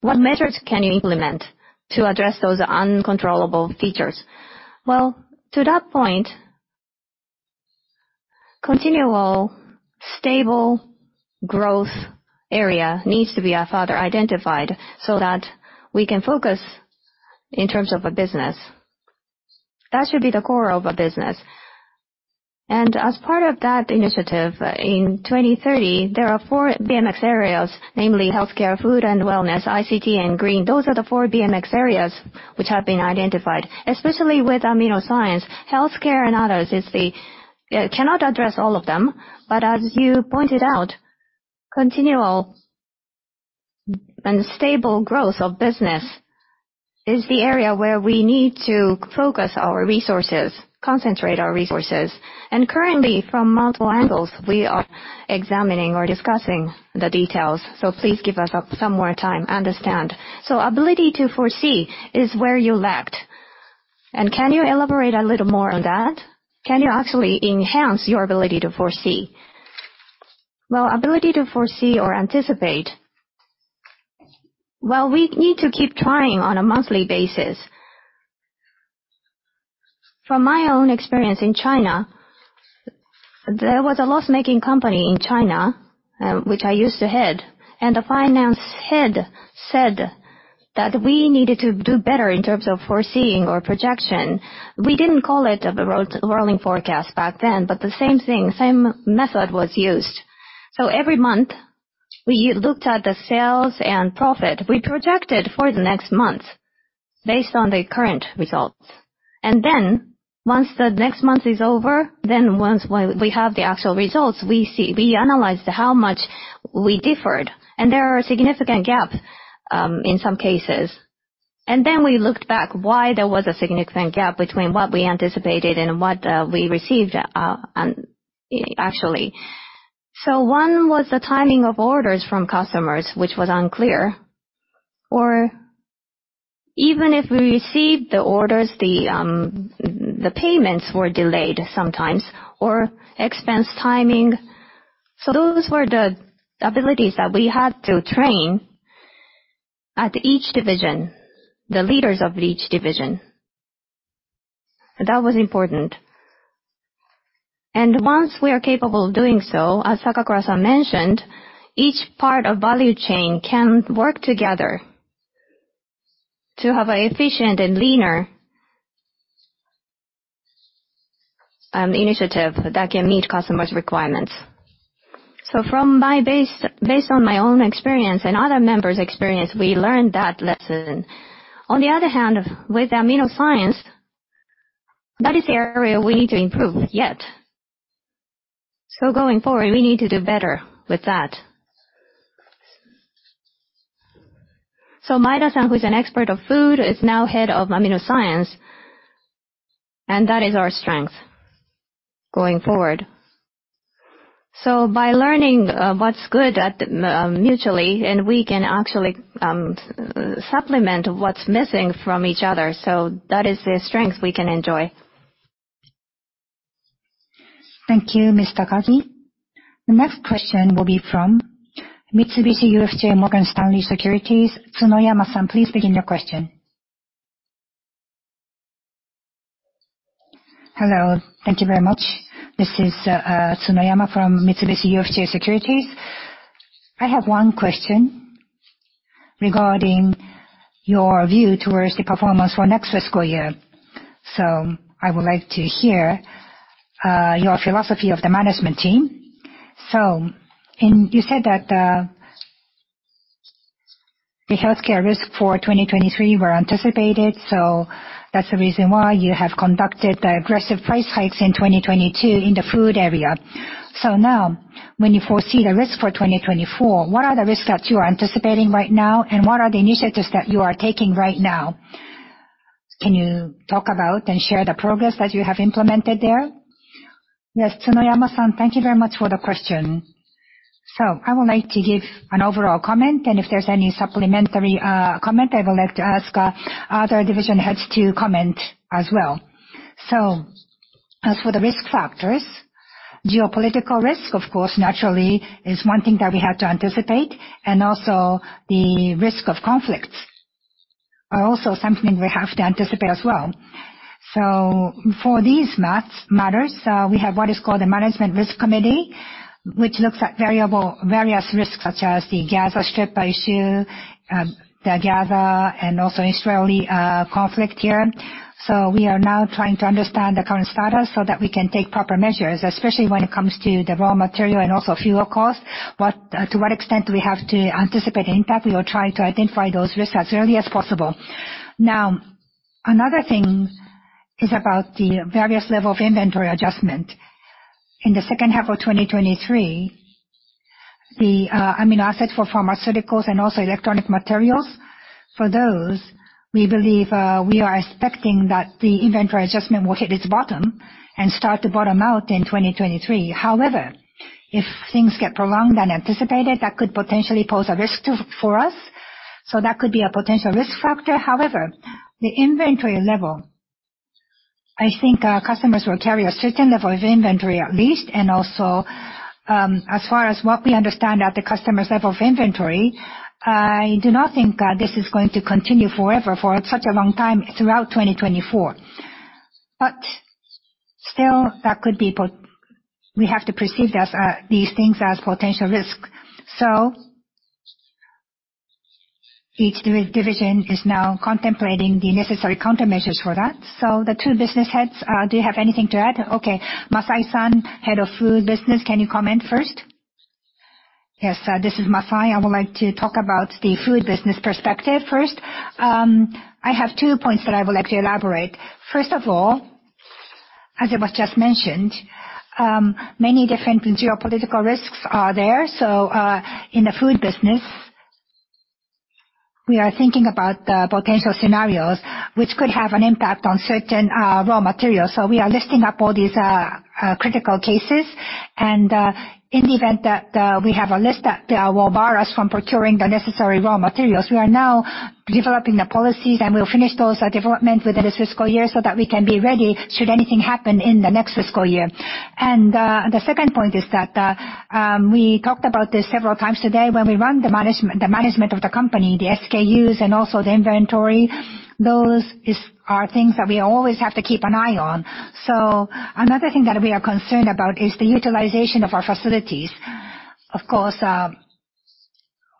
What measures can you implement to address those uncontrollable features? Well, to that point, continual stable growth area needs to be further identified so that we can focus in terms of a business. That should be the core of a business. And as part of that initiative, in 2030, there are four growth areas, namely healthcare, Food and Wellness, ICT, and Green. Those are the four growth areas which have been identified. Especially with AminoScience, healthcare and others is the, cannot address all of them, but as you pointed out, continual and stable growth of business is the area where we need to focus our resources, concentrate our resources. And currently, from multiple angles, we are examining or discussing the details, so please give us some more time. Understand. So ability to foresee is where you lacked. And can you elaborate a little more on that? Can you actually enhance your ability to foresee? Well, ability to foresee or anticipate, well, we need to keep trying on a monthly basis. From my own experience in China, there was a loss-making company in China, which I used to head, and the finance head said that we needed to do better in terms of foreseeing or projection. We didn't call it the rolling, rolling forecast back then, but the same thing, same method was used. So every month, we looked at the sales and profit. We projected for the next month based on the current results. And then once the next month is over, then once when we have the actual results, we see, we analyze how much we differed, and there are significant gaps, in some cases. And then we looked back why there was a significant gap between what we anticipated and what, we received, actually. So one was the timing of orders from customers, which was unclear. Or even if we received the orders, the payments were delayed sometimes, or expense timing. So those were the abilities that we had to train at each division, the leaders of each division. That was important. Once we are capable of doing so, as Sakakura-san mentioned, each part of value chain can work together to have a efficient and leaner initiative that can meet customers' requirements. So from my based on my own experience and other members' experience, we learned that lesson. On the other hand, with AminoScience, that is the area we need to improve yet. So going forward, we need to do better with that. So Maeda-san, who is an expert of food, is now head of AminoScience, and that is our strength going forward. So by learning what's good at mutually, and we can actually supplement what's missing from each other, so that is the strength we can enjoy. Thank you, Ms. Takagi. The next question will be from Mitsubishi UFJ Morgan Stanley Securities. Tsunoyama-san, please begin your question. Hello. Thank you very much. This is Tsunoyama from Mitsubishi UFJ Securities. I have one question regarding your view towards the performance for next fiscal year. So I would like to hear your philosophy of the management team. So you said that the healthcare risk for 2023 were anticipated, so that's the reason why you have conducted the aggressive price hikes in 2022 in the food area. So now, when you foresee the risk for 2024, what are the risks that you are anticipating right now, and what are the initiatives that you are taking right now? Can you talk about and share the progress that you have implemented there? Yes, Tsunoyama-san, thank you very much for the question. So I would like to give an overall comment, and if there's any supplementary comment, I would like to ask other division heads to comment as well. So as for the risk factors, geopolitical risk, of course, naturally, is one thing that we have to anticipate, and also the risk of conflicts are also something we have to anticipate as well. So for these matters, we have what is called a management risk committee, which looks at various risks, such as the Gaza Strip issue, the Gaza and also Israeli conflict here. So we are now trying to understand the current status so that we can take proper measures, especially when it comes to the raw material and also fuel costs. But, to what extent do we have to anticipate the impact? We will try to identify those risks as early as possible. Now, another thing is about the various level of inventory adjustment. In the second half of 2023, the amino acids for pharmaceuticals and also electronic materials, for those, we believe we are expecting that the inventory adjustment will hit its bottom and start to bottom out in 2023. However, if things get prolonged than anticipated, that could potentially pose a risk to, for us, so that could be a potential risk factor. However, the inventory level, I think our customers will carry a certain level of inventory at least, and also as far as what we understand at the customer's level of inventory, I do not think this is going to continue forever for such a long time throughout 2024. But still, that could be potential, we have to perceive this, these things as potential risk. So, each division is now contemplating the necessary countermeasures for that. So the two business heads, do you have anything to add? Okay, Masai-san, head of food business, can you comment first? Yes, this is Masai. I would like to talk about the food business perspective first. I have two points that I would like to elaborate. First of all, as it was just mentioned, many different geopolitical risks are there. So, in the food business, we are thinking about the potential scenarios which could have an impact on certain raw materials. So we are listing up all these critical cases, and in the event that we have a list that will bar us from procuring the necessary raw materials, we are now developing the policies, and we'll finish those development within this fiscal year so that we can be ready should anything happen in the next fiscal year. And, the second point is that we talked about this several times today. When we run the management, the management of the company, the SKUs and also the inventory, those is, are things that we always have to keep an eye on. So another thing that we are concerned about is the utilization of our facilities. Of course,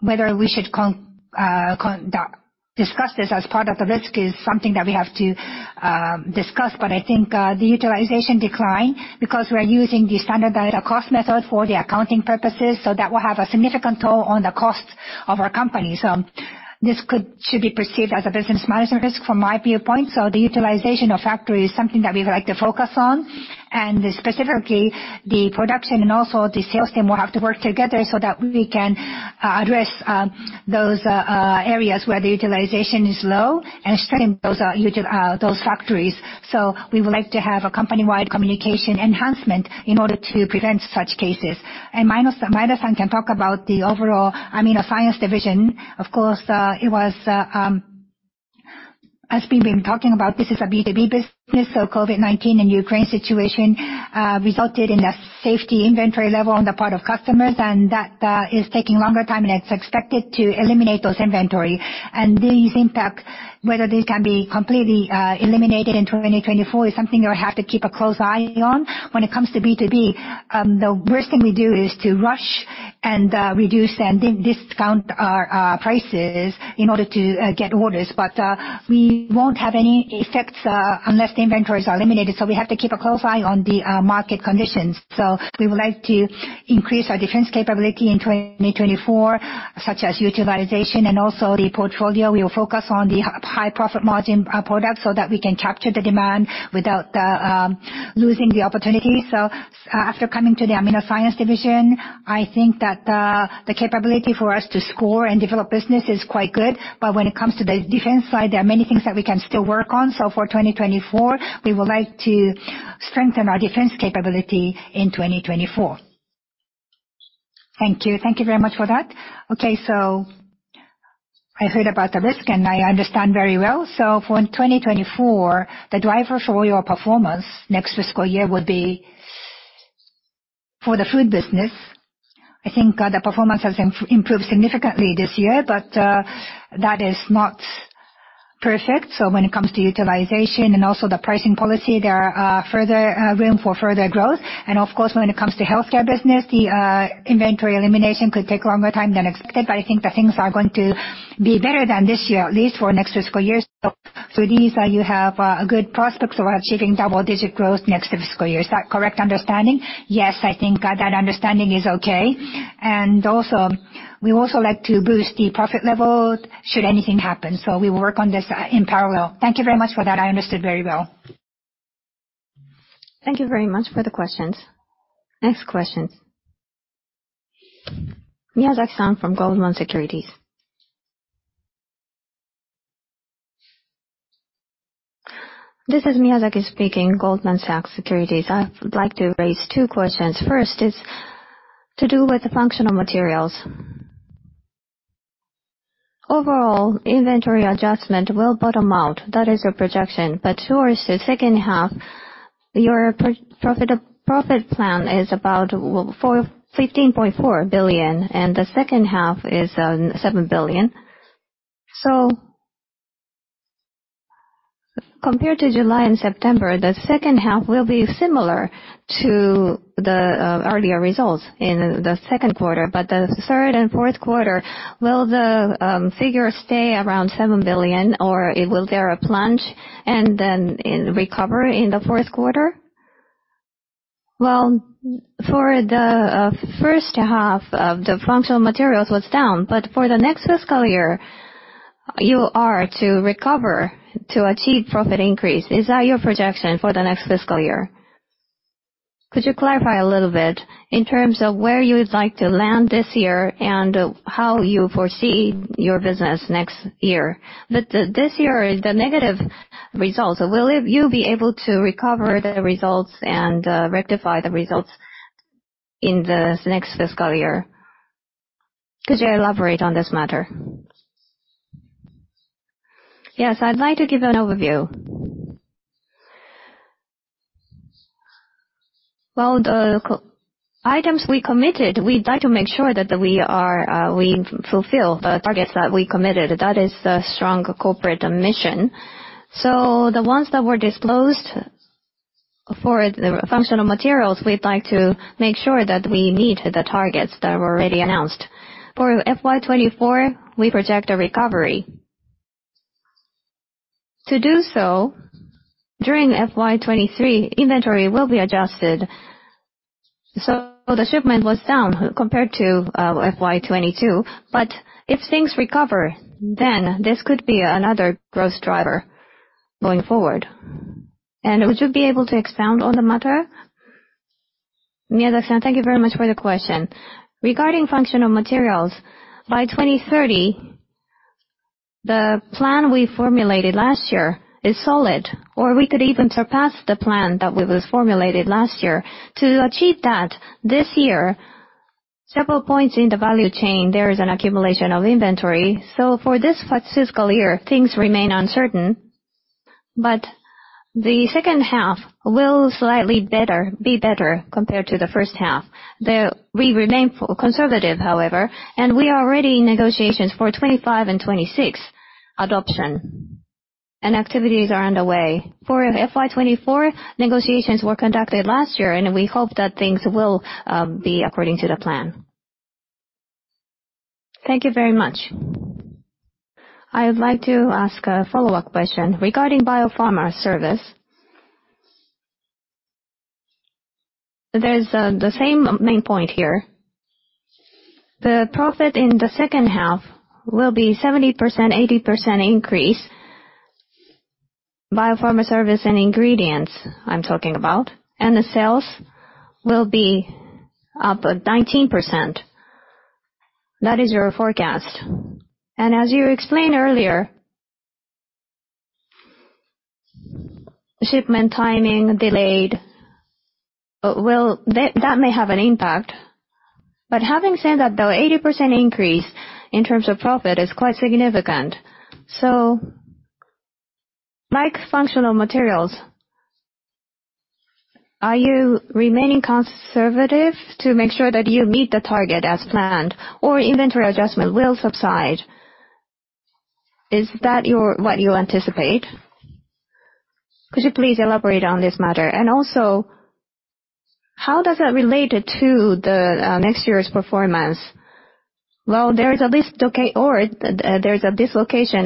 whether we should discuss this as part of the risk is something that we have to discuss. But I think, the utilization decline, because we are using the standardized cost method for the accounting purposes, so that will have a significant toll on the cost of our company. So this could, should be perceived as a business management risk from my viewpoint. The utilization of factory is something that we would like to focus on, and specifically, the production and also the sales team will have to work together so that we can address those areas where the utilization is low and strengthen those factories. We would like to have a company-wide communication enhancement in order to prevent such cases. And Maeda-san can talk about the overall AminoScience Division. Of course, it was, as we've been talking about, this is a B2B business, so COVID-19 and Ukraine situation resulted in a safety inventory level on the part of customers, and that is taking longer time, and it's expected to eliminate those inventory. And these impact, whether they can be completely eliminated in 2024 is something that we have to keep a close eye on. When it comes to B2B, the worst thing we do is to rush and reduce and discount our prices in order to get orders. We won't have any effects unless the inventories are eliminated, so we have to keep a close eye on the market conditions. We would like to increase our defense capability in 2024, such as utilization and also the portfolio. We will focus on the high profit margin products, so that we can capture the demand without losing the opportunity. After coming to the AminoScience Division, I think that the capability for us to score and develop business is quite good. When it comes to the defense side, there are many things that we can still work on. For 2024, we would like to strengthen our defense capability in 2024. Thank you. Thank you very much for that. Okay, so I heard about the risk, and I understand very well. So for in 2024, the driver for your performance next fiscal year would be for the food business. I think the performance has improved significantly this year, but that is not perfect. So when it comes to utilization and also the pricing policy, there are further room for further growth. And of course, when it comes to healthcare business, the inventory elimination could take longer time than expected, but I think the things are going to be better than this year, at least for next fiscal year. So these you have a good prospects for achieving double-digit growth next fiscal year. Is that correct understanding? Yes, I think that understanding is okay. And also, we would also like to boost the profit level should anything happen, so we will work on this in parallel. Thank you very much for that. I understood very well. Thank you very much for the questions. Next questions. Miyazaki-san from Goldman Sachs. This is Miyazaki speaking, Goldman Sachs. I would like to raise two questions. First is to do with the functional materials. Overall, inventory adjustment will bottom out. That is a projection, but towards the second half, your profit plan is about for 15.4 billion, and the second half is seven billion. So compared to July and September, the second half will be similar to the earlier results in the second quarter. But the third and fourth quarter, will the figures stay around seven billion, or will there a plunge and then recover in the fourth quarter? Well, for the first half of the Functional Materials was down, but for the next fiscal year, you are to recover to achieve profit increase. Is that your projection for the next fiscal year? Could you clarify a little bit in terms of where you would like to land this year and how you foresee your business next year? But this year, the negative results, will you be able to recover the results and rectify the results in the next fiscal year? Could you elaborate on this matter? Yes, I'd like to give an overview. Well, the core items we committed, we'd like to make sure that we fulfill the targets that we committed. That is a strong corporate mission. So the ones that were disclosed... For the Functional Materials, we'd like to make sure that we meet the targets that were already announced. For FY 2024, we project a recovery. To do so, during FY 2023, inventory will be adjusted, so the shipment was down compared to FY 2022. But if things recover, then this could be another growth driver going forward. And would you be able to expound on the matter? Miyazaki-san, thank you very much for the question. Regarding functional materials, by 2030, the plan we formulated last year is solid, or we could even surpass the plan that was formulated last year. To achieve that, this year, several points in the value chain, there is an accumulation of inventory. So for this fiscal year, things remain uncertain, but the second half will slightly better, be better compared to the first half. We remain conservative, however, and we are already in negotiations for 2025 and 2026 adoption, and activities are underway. For FY 2024, negotiations were conducted last year, and we hope that things will be according to the plan. Thank you very much. I would like to ask a follow-up question. Regarding biopharma service, there's the same main point here. The profit in the second half will be 70%-80% increase. Biopharma service and ingredients, I'm talking about, and the sales will be up 19%. That is your forecast. And as you explained earlier, shipment timing delayed, but that may have an impact. But having said that, the 80% increase in terms of profit is quite significant. So like functional materials, are you remaining conservative to make sure that you meet the target as planned, or inventory adjustment will subside? Is that what you anticipate? Could you please elaborate on this matter? And also, how does that relate to the next year's performance? Well, there is a dislocation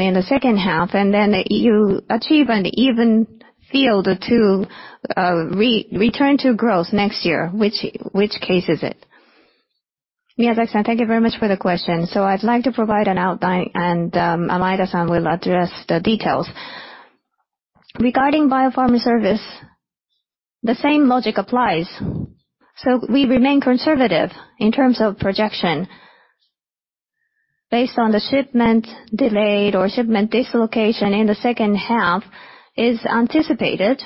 in the second half, and then you achieve an even field to return to growth next year. Which case is it? Miyazaki-san, thank you very much for the question. So I'd like to provide an outline, and Maeda-san will address the details. Regarding biopharma service, the same logic applies. So we remain conservative in terms of projection. Based on the shipment delayed or shipment dislocation in the second half is anticipated,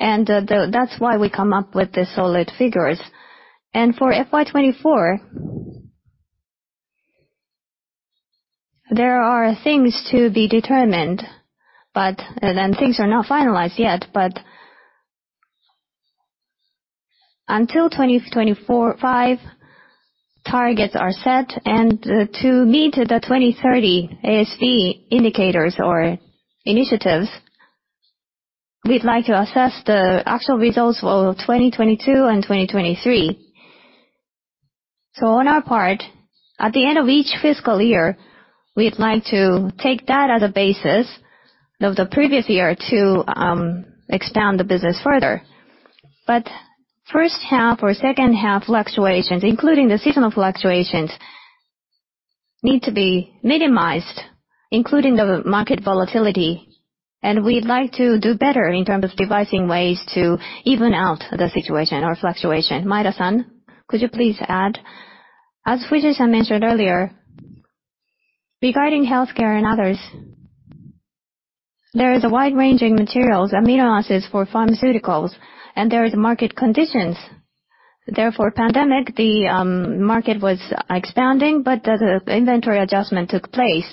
and that's why we come up with the solid figures. For FY 2024, there are things to be determined, but... Things are not finalized yet, but until 2024/5 targets are set. To meet the 2030 ASV indicators or initiatives, we'd like to assess the actual results for 2022 and 2023. So on our part, at the end of each fiscal year, we'd like to take that as a basis of the previous year to expand the business further. But first half or second half fluctuations, including the seasonal fluctuations, need to be minimized, including the market volatility, and we'd like to do better in terms of devising ways to even out the situation or fluctuation. Maeda-san, could you please add? As Fujisha mentioned earlier, regarding healthcare and others, there is a wide-ranging materials, amino acids for pharmaceuticals, and there is market conditions. Therefore, pandemic, the market was expanding, but the inventory adjustment took place,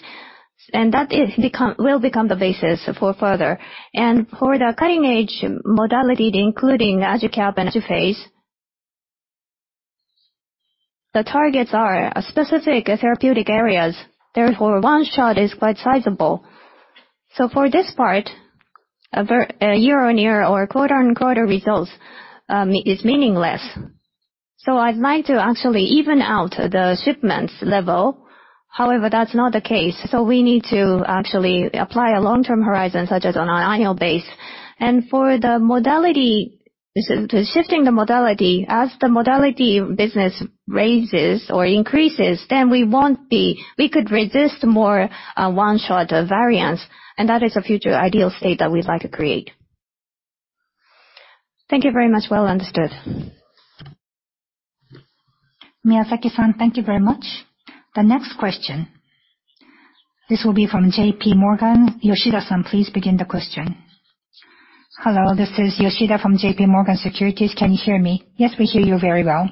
and that is become will become the basis for further. For the cutting-edge modality, including AJICAP and AJIPHASE, the targets are specific therapeutic areas, therefore, one shot is quite sizable. So for this part, a year-on-year or quarter-on-quarter results is meaningless. So I'd like to actually even out the shipments level. However, that's not the case. So we need to actually apply a long-term horizon, such as on an annual base. And for the modality, to shifting the modality, as the modality business raises or increases, then we could resist more one shot of variance, and that is a future ideal state that we'd like to create. Thank you very much. Well understood. Miyazaki-san, thank you very much. The next question, this will be from J.P. Morgan. Yoshida-san, please begin the question. Hello, this is Yoshida from J.P. Morgan Securities. Can you hear me? Yes, we hear you very well.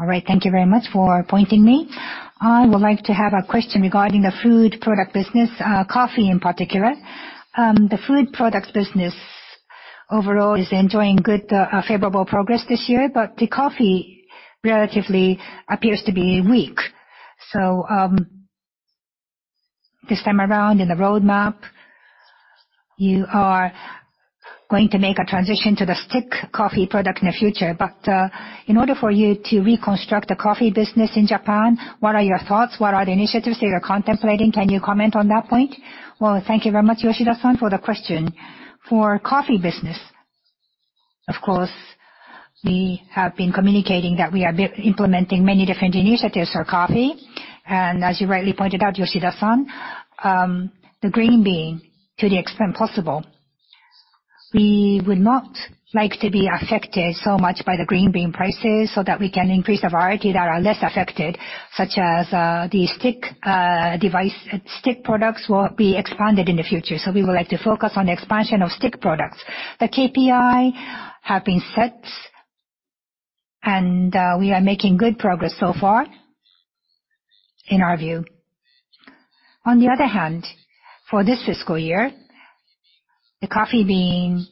All right. Thank you very much for pointing me. I would like to have a question regarding the food product business, coffee in particular. The food products business overall is enjoying good, favorable progress this year, but the coffee relatively appears to be weak. So, this time around in the roadmap, you are going to make a transition to the stick coffee product in the future. But, in order for you to reconstruct the coffee business in Japan, what are your thoughts? What are the initiatives that you're contemplating? Can you comment on that point? Well, thank you very much, Yoshida-san, for the question. For coffee business, of course, we have been communicating that we are implementing many different initiatives for coffee. And as you rightly pointed out, Yoshida-san, the green bean, to the extent possible, we would not like to be affected so much by the green bean prices so that we can increase the variety that are less affected, such as the stick products. Stick products will be expanded in the future, so we would like to focus on the expansion of stick products. The KPI have been set, and we are making good progress so far, in our view. On the other hand, for this fiscal year, the coffee bean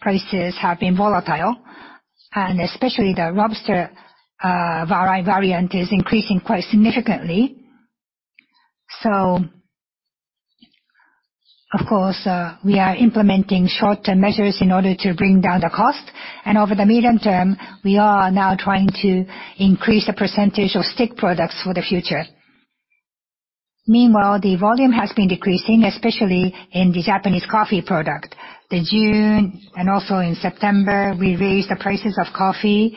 prices have been volatile, and especially the Robusta variant is increasing quite significantly. So of course, we are implementing short-term measures in order to bring down the cost, and over the medium term, we are now trying to increase the percentage of stick products for the future. Meanwhile, the volume has been decreasing, especially in the Japanese coffee product. In June, and also in September, we raised the prices of coffee,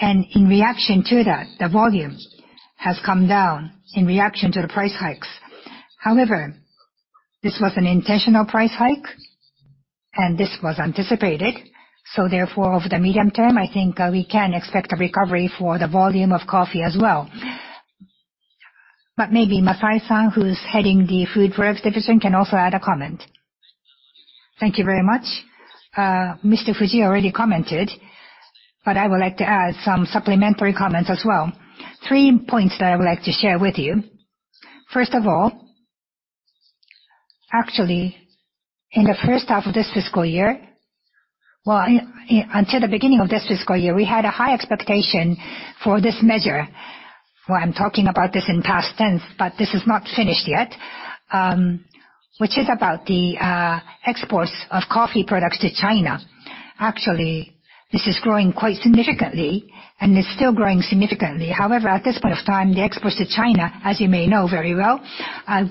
and in reaction to that, the volume has come down in reaction to the price hikes. However, this was an intentional price hike, and this was anticipated, so therefore, over the medium term, I think, we can expect a recovery for the volume of coffee as well. But maybe Masai-san, who's heading the Food Products division, can also add a comment. Thank you very much. Mr. Fujie already commented, but I would like to add some supplementary comments as well. Three points that I would like to share with you. First of all, actually, in the first half of this fiscal year... Well, until the beginning of this fiscal year, we had a high expectation for this measure. Well, I'm talking about this in past tense, but this is not finished yet, which is about the exports of coffee products to China. Actually, this is growing quite significantly, and it's still growing significantly. However, at this point of time, the exports to China, as you may know very well,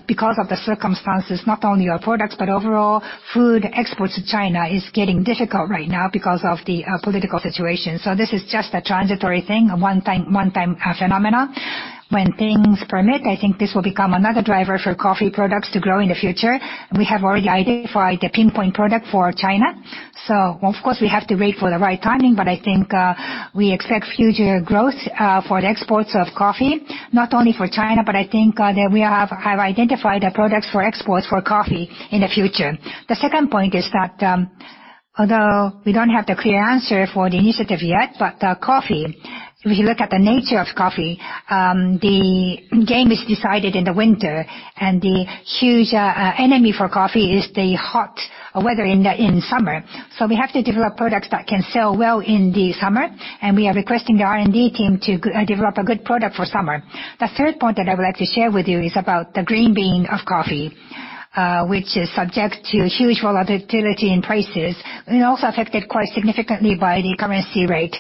because of the circumstances, not only our products, but overall food exports to China is getting difficult right now because of the political situation. So this is just a transitory thing, a one time, one time, phenomena. When things permit, I think this will become another driver for coffee products to grow in the future. We have already identified the pinpoint product for China. So, of course, we have to wait for the right timing, but I think we expect future growth for the exports of coffee, not only for China, but I think that we have identified the products for exports for coffee in the future. The second point is that, although we don't have the clear answer for the initiative yet, but coffee, if you look at the nature of coffee, the game is decided in the winter, and the huge enemy for coffee is the hot weather in the summer. So we have to develop products that can sell well in the summer, and we are requesting the R&D team to develop a good product for summer. The third point that I would like to share with you is about the green bean of coffee, which is subject to huge volatility in prices, and also affected quite significantly by the currency rate.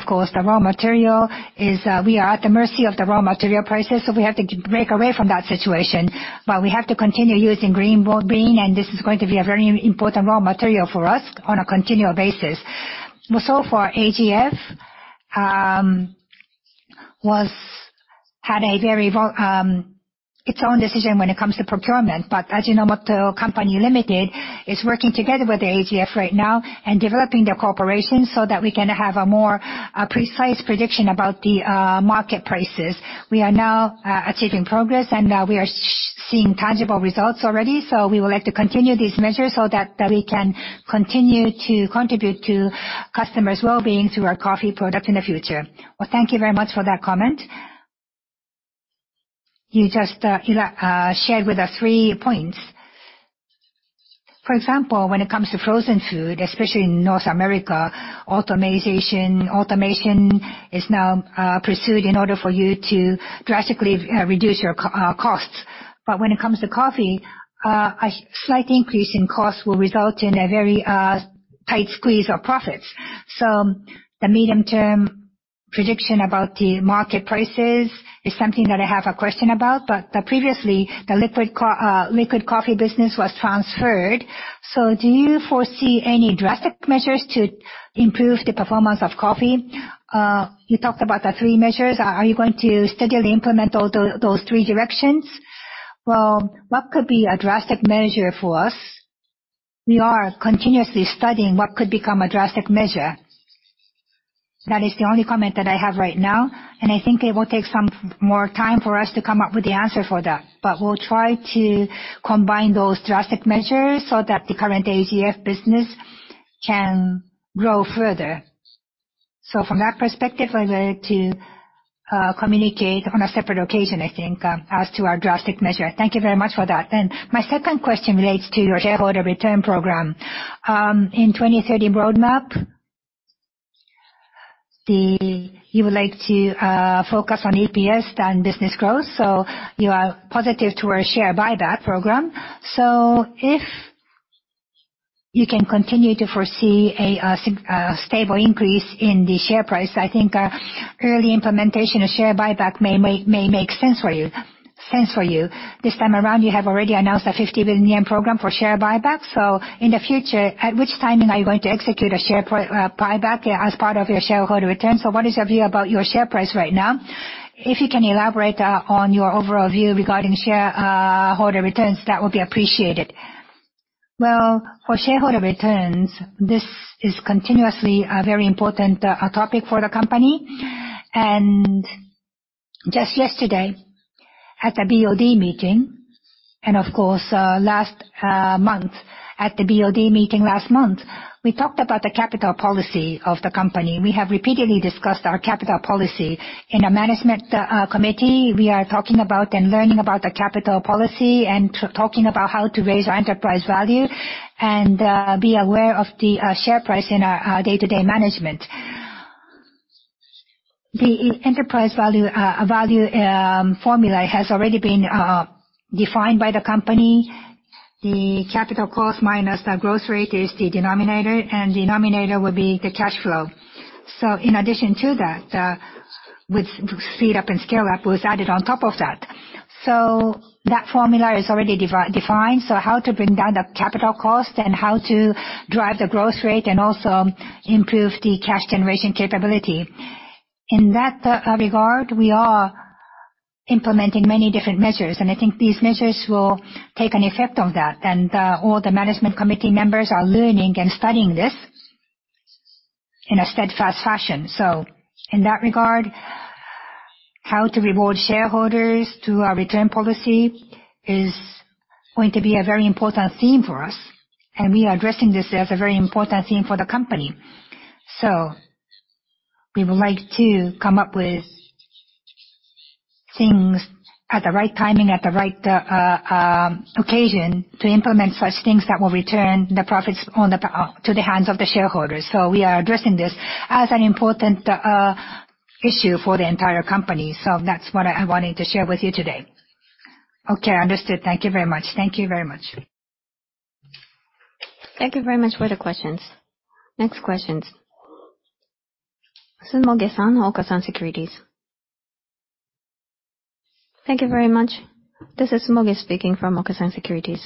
Of course, the raw material is, we are at the mercy of the raw material prices, so we have to break away from that situation. We have to continue using green bean, and this is going to be a very important raw material for us on a continual basis. For AGF, was, had a very vol- its own decision when it comes to procurement. Ajinomoto Co. is working together with AGF right now and developing their cooperation so that we can have a more precise prediction about the market prices. We are now achieving progress, and we are seeing tangible results already. So we would like to continue these measures so that we can continue to contribute to customers' well-being through our coffee product in the future. Well, thank you very much for that comment. You just shared with us three points. For example, when it comes to frozen food, especially in North America, automation is now pursued in order for you to drastically reduce your costs. But when it comes to coffee, a slight increase in costs will result in a very tight squeeze of profits. So the medium-term prediction about the market prices is something that I have a question about. But, previously, the liquid coffee business was transferred, so do you foresee any drastic measures to improve the performance of coffee? You talked about the three measures. Are you going to steadily implement all those three directions? Well, what could be a drastic measure for us, we are continuously studying what could become a drastic measure. That is the only comment that I have right now, and I think it will take some more time for us to come up with the answer for that. But we'll try to combine those drastic measures so that the current AGF business can grow further. So from that perspective, I'd like to communicate on a separate occasion, I think, as to our drastic measure. Thank you very much for that. My second question relates to your shareholder return program. In the 2030 roadmap, you would like to focus on EPS than business growth, so you are positive towards share buyback program. So if you can continue to foresee a stable increase in the share price, I think a early implementation of share buyback may make sense for you. This time around, you have already announced a 50 billion yen program for share buyback. So in the future, at which timing are you going to execute a share buyback as part of your shareholder return? So what is your view about your share price right now? If you can elaborate on your overall view regarding shareholder returns, that would be appreciated. Well, for shareholder returns, this is continuously a very important topic for the company. And just yesterday, at the BOD meeting, and of course, last month, at the BOD meeting last month, we talked about the capital policy of the company. We have repeatedly discussed our capital policy. In a management committee, we are talking about and learning about the capital policy and talking about how to raise our enterprise value, and be aware of the share price in our day-to-day management. The enterprise value formula has already been defined by the company. The capital cost minus the growth rate is the denominator, and denominator would be the cash flow. So in addition to that, the with speed up and scale up was added on top of that. So that formula is already defined. So how to bring down the capital cost and how to drive the growth rate and also improve the cash generation capability? In that regard, we are implementing many different measures, and I think these measures will take an effect on that. All the management committee members are learning and studying this in a steadfast fashion. So in that regard, how to reward shareholders through our return policy is going to be a very important theme for us, and we are addressing this as a very important theme for the company. So we would like to come up with things at the right timing, at the right occasion, to implement such things that will return the profits to the hands of the shareholders. So we are addressing this as an important issue for the entire company. That's what I am wanting to share with you today. Okay, understood. Thank you very much. Thank you very much. Thank you very much for the questions. Next questions. Sonobe-san, Okasan Securities. Thank you very much. This is Sonobe speaking from Okasan Securities.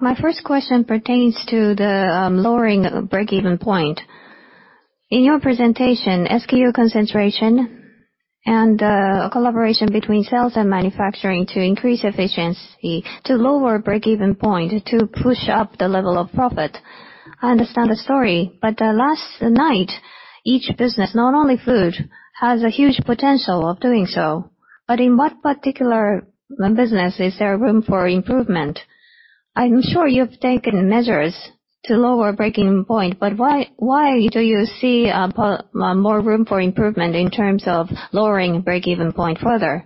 My first question pertains to the lowering of breakeven point. In your presentation, SKU concentration and a collaboration between sales and manufacturing to increase efficiency, to lower breakeven point, to push up the level of profit. I understand the story, but last night, each business, not only food, has a huge potential of doing so, but in what particular business is there room for improvement? I'm sure you've taken measures to lower breakeven point, but why, why do you see more room for improvement in terms of lowering breakeven point further?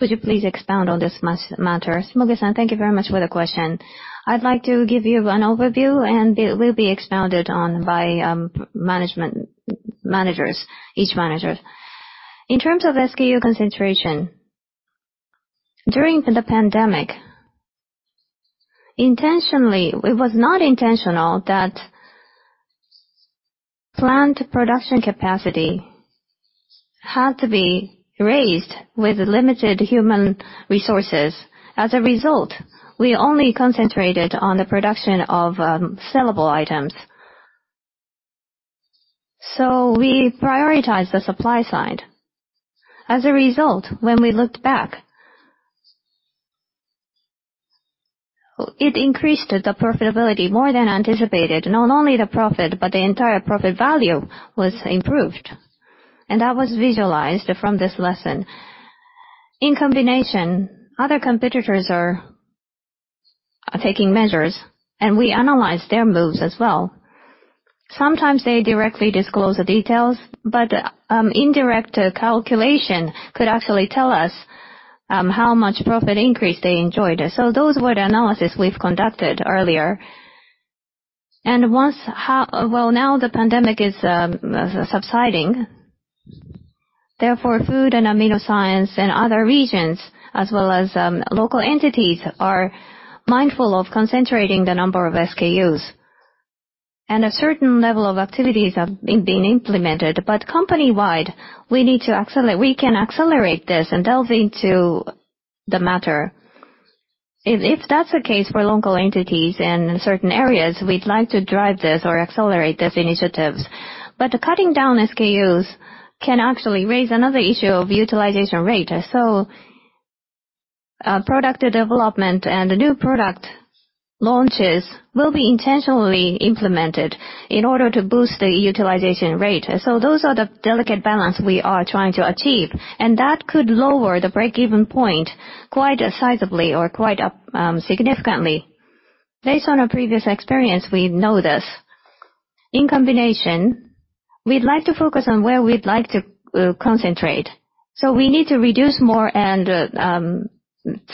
Would you please expound on this matter? Sonobe-san, thank you very much for the question. I'd like to give you an overview, and it will be expounded on by management, managers, each managers. In terms of SKU concentration, during the pandemic, intentionally - it was not intentional that plant production capacity had to be raised with limited human resources. As a result, we only concentrated on the production of sellable items. So we prioritized the supply side. As a result, when we looked back, it increased the profitability more than anticipated. Not only the profit, but the entire profit value was improved, and that was visualized from this lesson. In combination, other competitors are taking measures, and we analyze their moves as well. Sometimes they directly disclose the details, but indirect calculation could actually tell us how much profit increase they enjoyed. So those were the analysis we've conducted earlier. And once, how... Well, now the pandemic is subsiding, therefore, Food and Amino Science and other regions, as well as local entities, are mindful of concentrating the number of SKUs, and a certain level of activities have been implemented. But company-wide, we need to accelerate - we can accelerate this and delve into the matter. If that's the case for local entities in certain areas, we'd like to drive this or accelerate these initiatives. But cutting down SKUs can actually raise another issue of utilization rate. So, product development and new product launches will be intentionally implemented in order to boost the utilization rate. So those are the delicate balance we are trying to achieve, and that could lower the breakeven point quite sizably or quite significantly. Based on our previous experience, we know this. In combination-... We'd like to focus on where we'd like to concentrate. So we need to reduce more and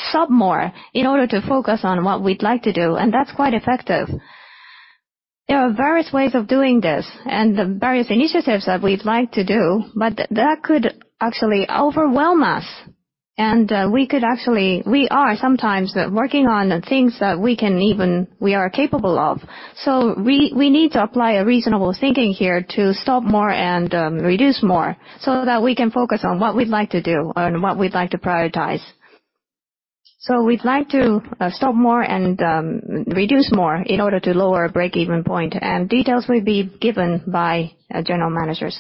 stop more in order to focus on what we'd like to do, and that's quite effective. There are various ways of doing this, and the various initiatives that we'd like to do, but that could actually overwhelm us, and we are sometimes working on the things that we are capable of. So we need to apply a reasonable thinking here to stop more and reduce more, so that we can focus on what we'd like to do and what we'd like to prioritize. So we'd like to stop more and reduce more in order to lower our break-even point, and details will be given by our general managers.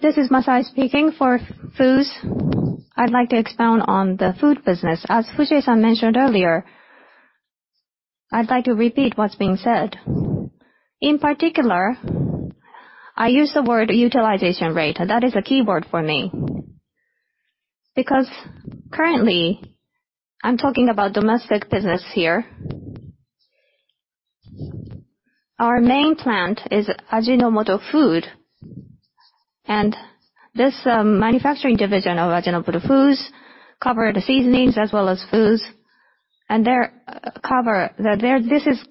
This is Masai speaking. For foods, I'd like to expound on the food business. As Fujie mentioned earlier, I'd like to repeat what's being said. In particular, I use the word utilization rate, and that is a key word for me. Because currently, I'm talking about domestic business here. Our main plant is Ajinomoto Foods, and this manufacturing division of Ajinomoto Foods cover the seasonings as well as foods, and they're covered. This is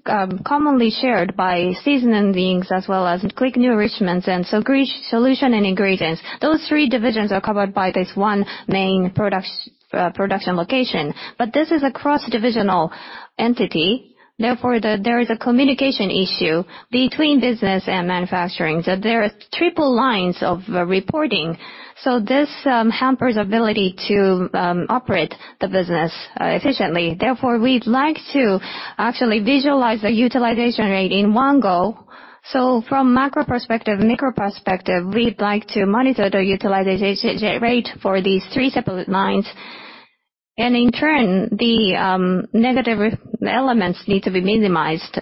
commonly shared by seasonings as well as quick nourishments, and so solution and ingredients. Those three divisions are covered by this one main production location. But this is a cross-divisional entity, therefore, there is a communication issue between business and manufacturing. So there are triple lines of reporting, so this hampers ability to operate the business efficiently. Therefore, we'd like to actually visualize the utilization rate in one go. So from macro perspective, micro perspective, we'd like to monitor the utilization rate for these three separate lines. And in turn, the negative elements need to be minimized,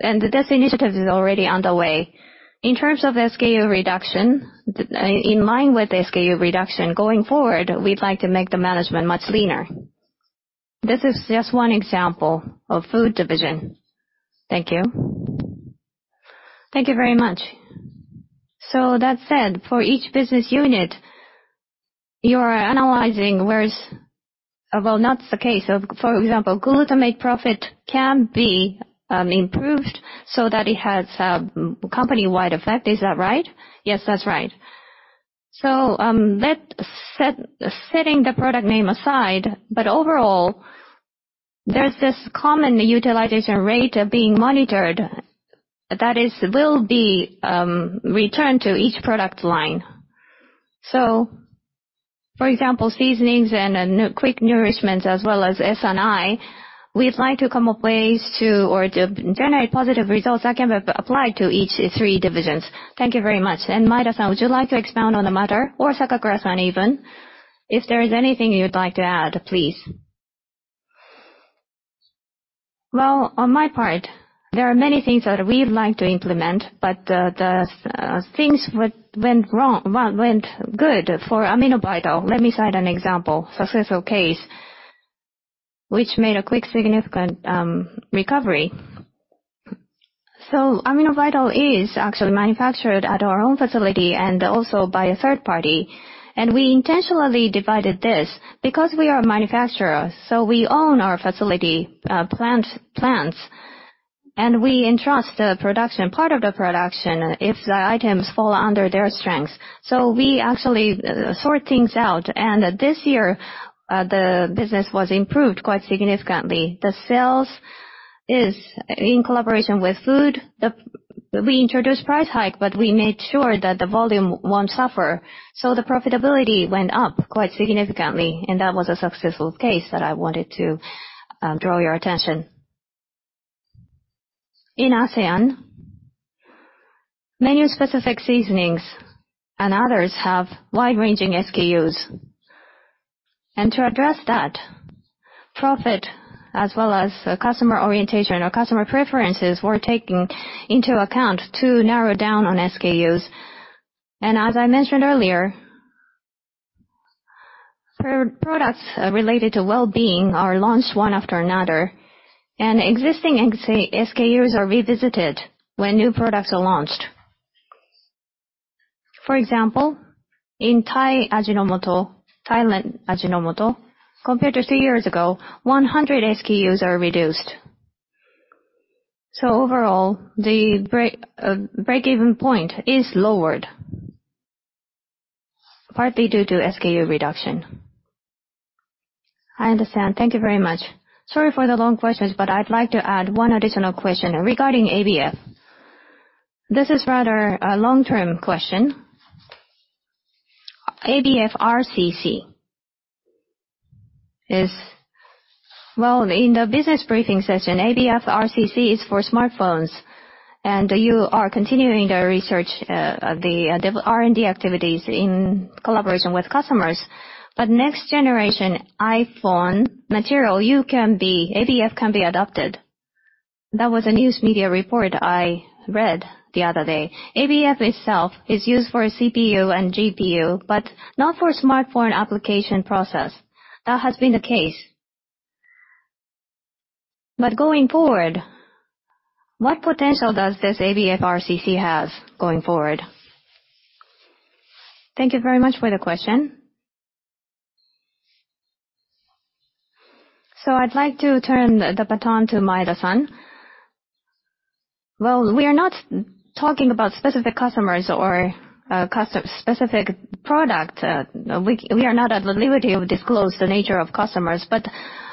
and this initiative is already underway. In terms of SKU reduction, in line with SKU reduction, going forward, we'd like to make the management much leaner. This is just one example of food division. Thank you. Thank you very much. So that said, for each business unit, you are analyzing where is... Well, not the case. So for example, glutamate profit can be improved so that it has a company-wide effect. Is that right? Yes, that's right. So, setting the product name aside, but overall, there's this common utilization rate of being monitored that will be returned to each product line. So, for example, seasonings and quick nourishments, as well as S&I, we'd like to come up ways to, or to generate positive results that can be applied to each three divisions. Thank you very much. And Maeda-san, would you like to expound on the matter, or Sakakura-san even? If there is anything you'd like to add, please. Well, on my part, there are many things that we'd like to implement, but the things went good for Amino Vital. Let me cite an example, successful case, which made a quick, significant recovery. So Amino Vital is actually manufactured at our own facility and also by a third party. And we intentionally divided this because we are a manufacturer, so we own our facility, plant, plants, and we entrust the production, part of the production, if the items fall under their strengths. So we actually sort things out, and this year, the business was improved quite significantly. The sales is in collaboration with food. We introduced price hike, but we made sure that the volume won't suffer, so the profitability went up quite significantly, and that was a successful case that I wanted to draw your attention. In ASEAN, many specific seasonings and others have wide-ranging SKUs. And to address that, profit as well as customer orientation or customer preferences were taken into account to narrow down on SKUs. And as I mentioned earlier, products related to well-being are launched one after another, and existing SKUs are revisited when new products are launched. For example, in Thai Ajinomoto, Thailand Ajinomoto, compared to three years ago, 100 SKUs are reduced. So overall, the break-even point is lowered, partly due to SKU reduction. I understand. Thank you very much. Sorry for the long questions, but I'd like to add one additional question regarding ABF. This is rather a long-term question. ABF RCC is... Well, in the business briefing session, ABF RCC is for smartphones, and you are continuing the research, R&D activities in collaboration with customers. But next generation iPhone material, you can be, ABF can be adopted. That was a news media report I read the other day. ABF itself is used for CPU and GPU, but not for smartphone application processor. That has been the case... But going forward, what potential does this ABF RCC have going forward? Thank you very much for the question. So I'd like to turn the, the baton to Maeda-san. Well, we are not talking about specific customers or custom-specific product. We are not at liberty to disclose the nature of customers, but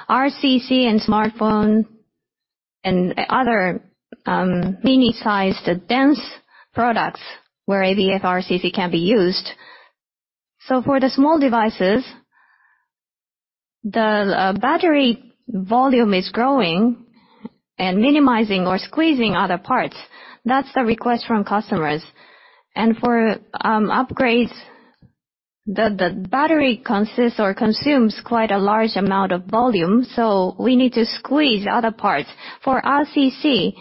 RCC and smartphone and other mini-sized dense products where ABF RCC can be used. So for the small devices, the battery volume is growing and minimizing or squeezing other parts. That's the request from customers. And for upgrades, the battery consists or consumes quite a large amount of volume, so we need to squeeze other parts. For RCC,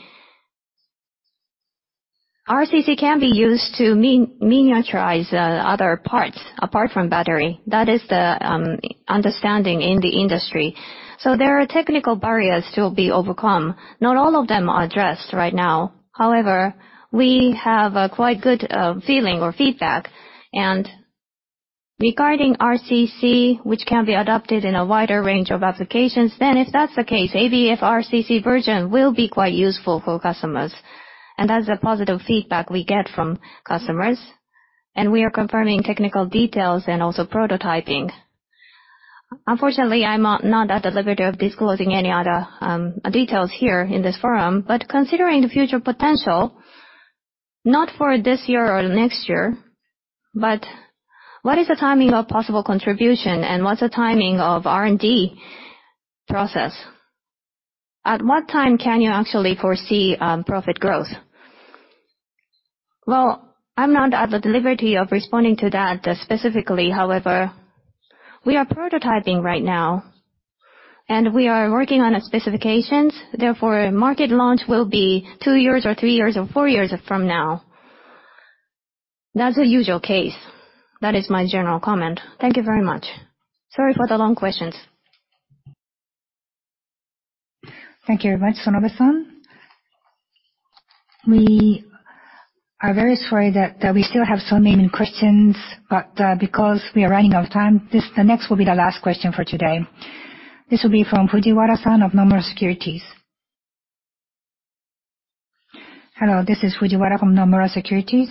RCC can be used to miniaturize other parts apart from battery. That is the understanding in the industry. So there are technical barriers to be overcome. Not all of them are addressed right now. However, we have a quite good feeling or feedback. Regarding RCC, which can be adopted in a wider range of applications, then if that's the case, ABF RCC version will be quite useful for customers, and that's the positive feedback we get from customers. We are confirming technical details and also prototyping. Unfortunately, I'm not at the liberty of disclosing any other details here in this forum. But considering the future potential, not for this year or the next year, but what is the timing of possible contribution, and what's the timing of R&D process? At what time can you actually foresee profit growth? Well, I'm not at the liberty of responding to that specifically. However, we are prototyping right now, and we are working on the specifications. Therefore, market launch will be 2 years or 3 years or 4 years from now. That's the usual case. That is my general comment. Thank you very much. Sorry for the long questions. Thank you very much, Sonobe-san. We are very sorry that we still have so many questions, but because we are running out of time, this, the next will be the last question for today. This will be from Fujiwara-san of Nomura Securities. Hello, this is Fujiwara from Nomura Securities.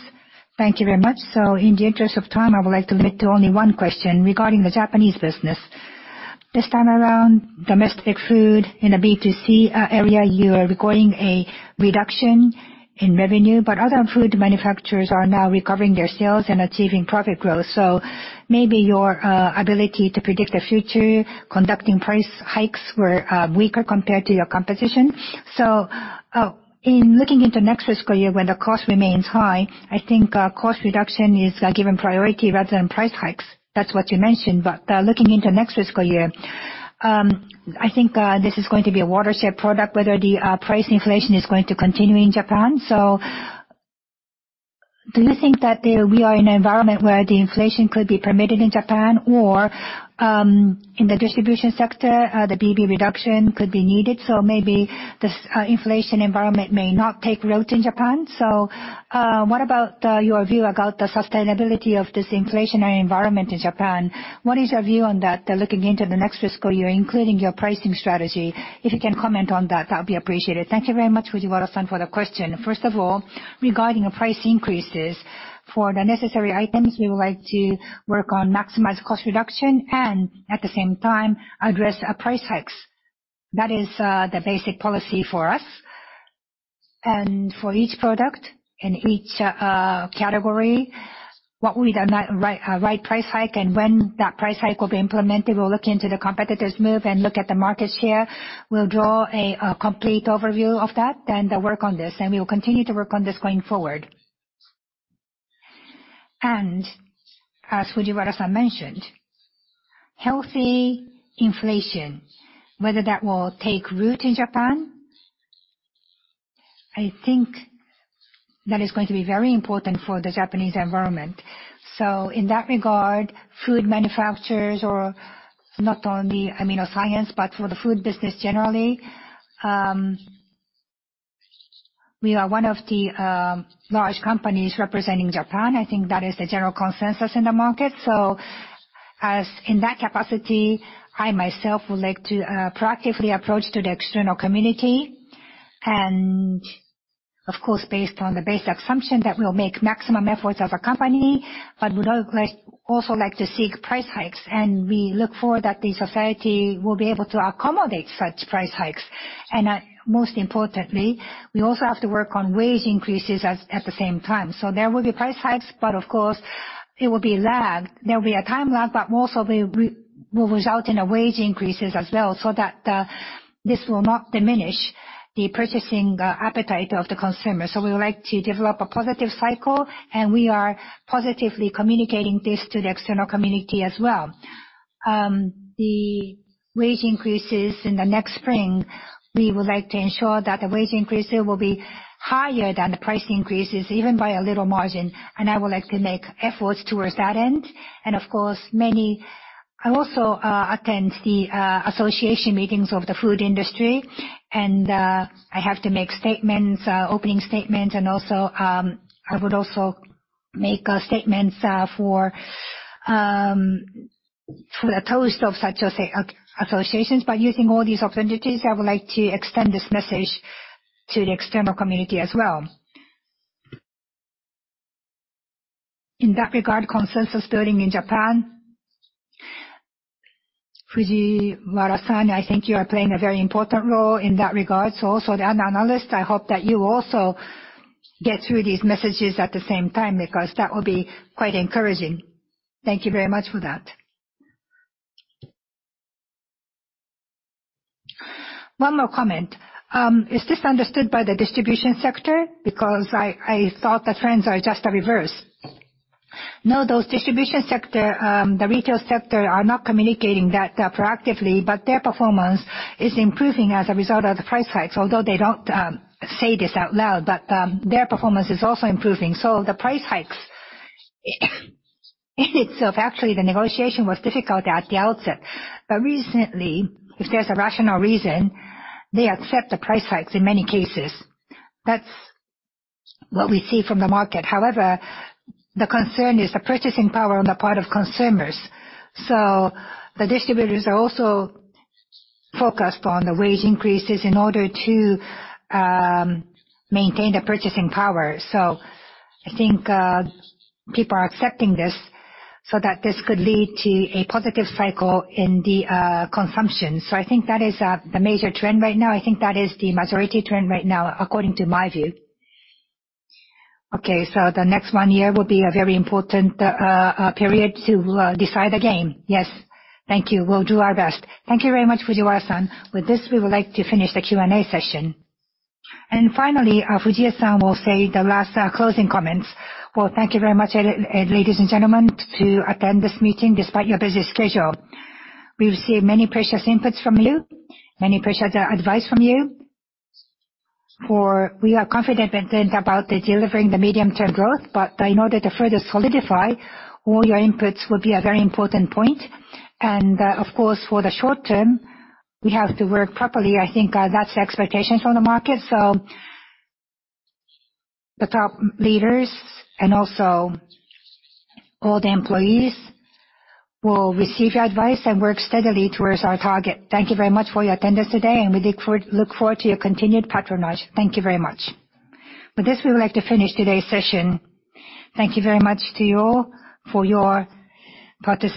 Thank you very much. So in the interest of time, I would like to limit to only one question regarding the Japanese business. This time around, domestic food in the B2C area, you are recording a reduction in revenue, but other food manufacturers are now recovering their sales and achieving profit growth. So maybe your ability to predict the future, conducting price hikes were weaker compared to your competition. So in looking into next fiscal year, when the cost remains high, I think cost reduction is given priority rather than price hikes. That's what you mentioned. But, looking into next fiscal year, I think, this is going to be a watershed product, whether the, price inflation is going to continue in Japan. So do you think that, we are in an environment where the inflation could be permitted in Japan, or, in the distribution sector, the PB reduction could be needed, so maybe this, inflation environment may not take root in Japan? So, what about, your view about the sustainability of this inflationary environment in Japan? What is your view on that, looking into the next fiscal year, including your pricing strategy? If you can comment on that, that would be appreciated. Thank you very much, Fujiwara-san, for the question. First of all, regarding the price increases, for the necessary items, we would like to work on maximize cost reduction and, at the same time, address our price hikes. That is, the basic policy for us. And for each product and each category, what would the right price hike and when that price hike will be implemented, we'll look into the competitor's move and look at the market share. We'll draw a complete overview of that, then work on this, and we will continue to work on this going forward. And as Fujiwara-san mentioned, healthy inflation, whether that will take root in Japan, I think that is going to be very important for the Japanese environment. So in that regard, food manufacturers or not only amino science, but for the food business generally, we are one of the large companies representing Japan. I think that is the general consensus in the market. So as in that capacity, I myself would like to proactively approach to the external community, and of course, based on the base assumption that we'll make maximum efforts as a company, but would like also like to seek price hikes. And we look forward that the society will be able to accommodate such price hikes. And most importantly, we also have to work on wage increases at the same time. So there will be price hikes, but of course, it will be lagged. There will be a time lag, but most of it will result in a wage increases as well, so that this will not diminish the purchasing appetite of the consumer. So we would like to develop a positive cycle, and we are positively communicating this to the external community as well. The wage increases in the next spring, we would like to ensure that the wage increase there will be higher than the price increases, even by a little margin, and I would like to make efforts towards that end. And of course, many, I also attend the association meetings of the food industry, and I have to make statements, opening statements, and also, I would also make statements for the toast of such associations. By using all these opportunities, I would like to extend this message to the external community as well. In that regard, consensus building in Japan, Fujiwara-san, I think you are playing a very important role in that regard. So also the analyst, I hope that you also get through these messages at the same time, because that will be quite encouraging. Thank you very much for that. One more comment. Is this understood by the distribution sector? Because I, I thought the trends are just the reverse. No, those distribution sector, the retail sector are not communicating that proactively, but their performance is improving as a result of the price hikes. Although they don't say this out loud, but their performance is also improving. So the price hikes, in itself, actually, the negotiation was difficult at the outset. But recently, if there's a rational reason, they accept the price hikes in many cases. That's what we see from the market. However, the concern is the purchasing power on the part of consumers. So the distributors are also focused on the wage increases in order to, maintain the purchasing power. So I think, people are accepting this, so that this could lead to a positive cycle in the, consumption. So I think that is, the major trend right now. I think that is the majority trend right now, according to my view. Okay, so the next one year will be a very important, period to, decide the game. Yes. Thank you. We'll do our best. Thank you very much, Fujiwara-san. With this, we would like to finish the Q&A session. And finally, Fujie-san will say the last, closing comments. Well, thank you very much, ladies and gentlemen, to attend this meeting despite your busy schedule. We've received many precious inputs from you, many precious, advice from you. For, we are confident about delivering the medium-term growth, but in order to further solidify, all your inputs will be a very important point. And, of course, for the short term, we have to work properly. I think, that's the expectation from the market. So the top leaders and also all the employees will receive your advice and work steadily towards our target. Thank you very much for your attendance today, and we look forward to your continued patronage. Thank you very much. With this, we would like to finish today's session. Thank you very much to you all for your participation.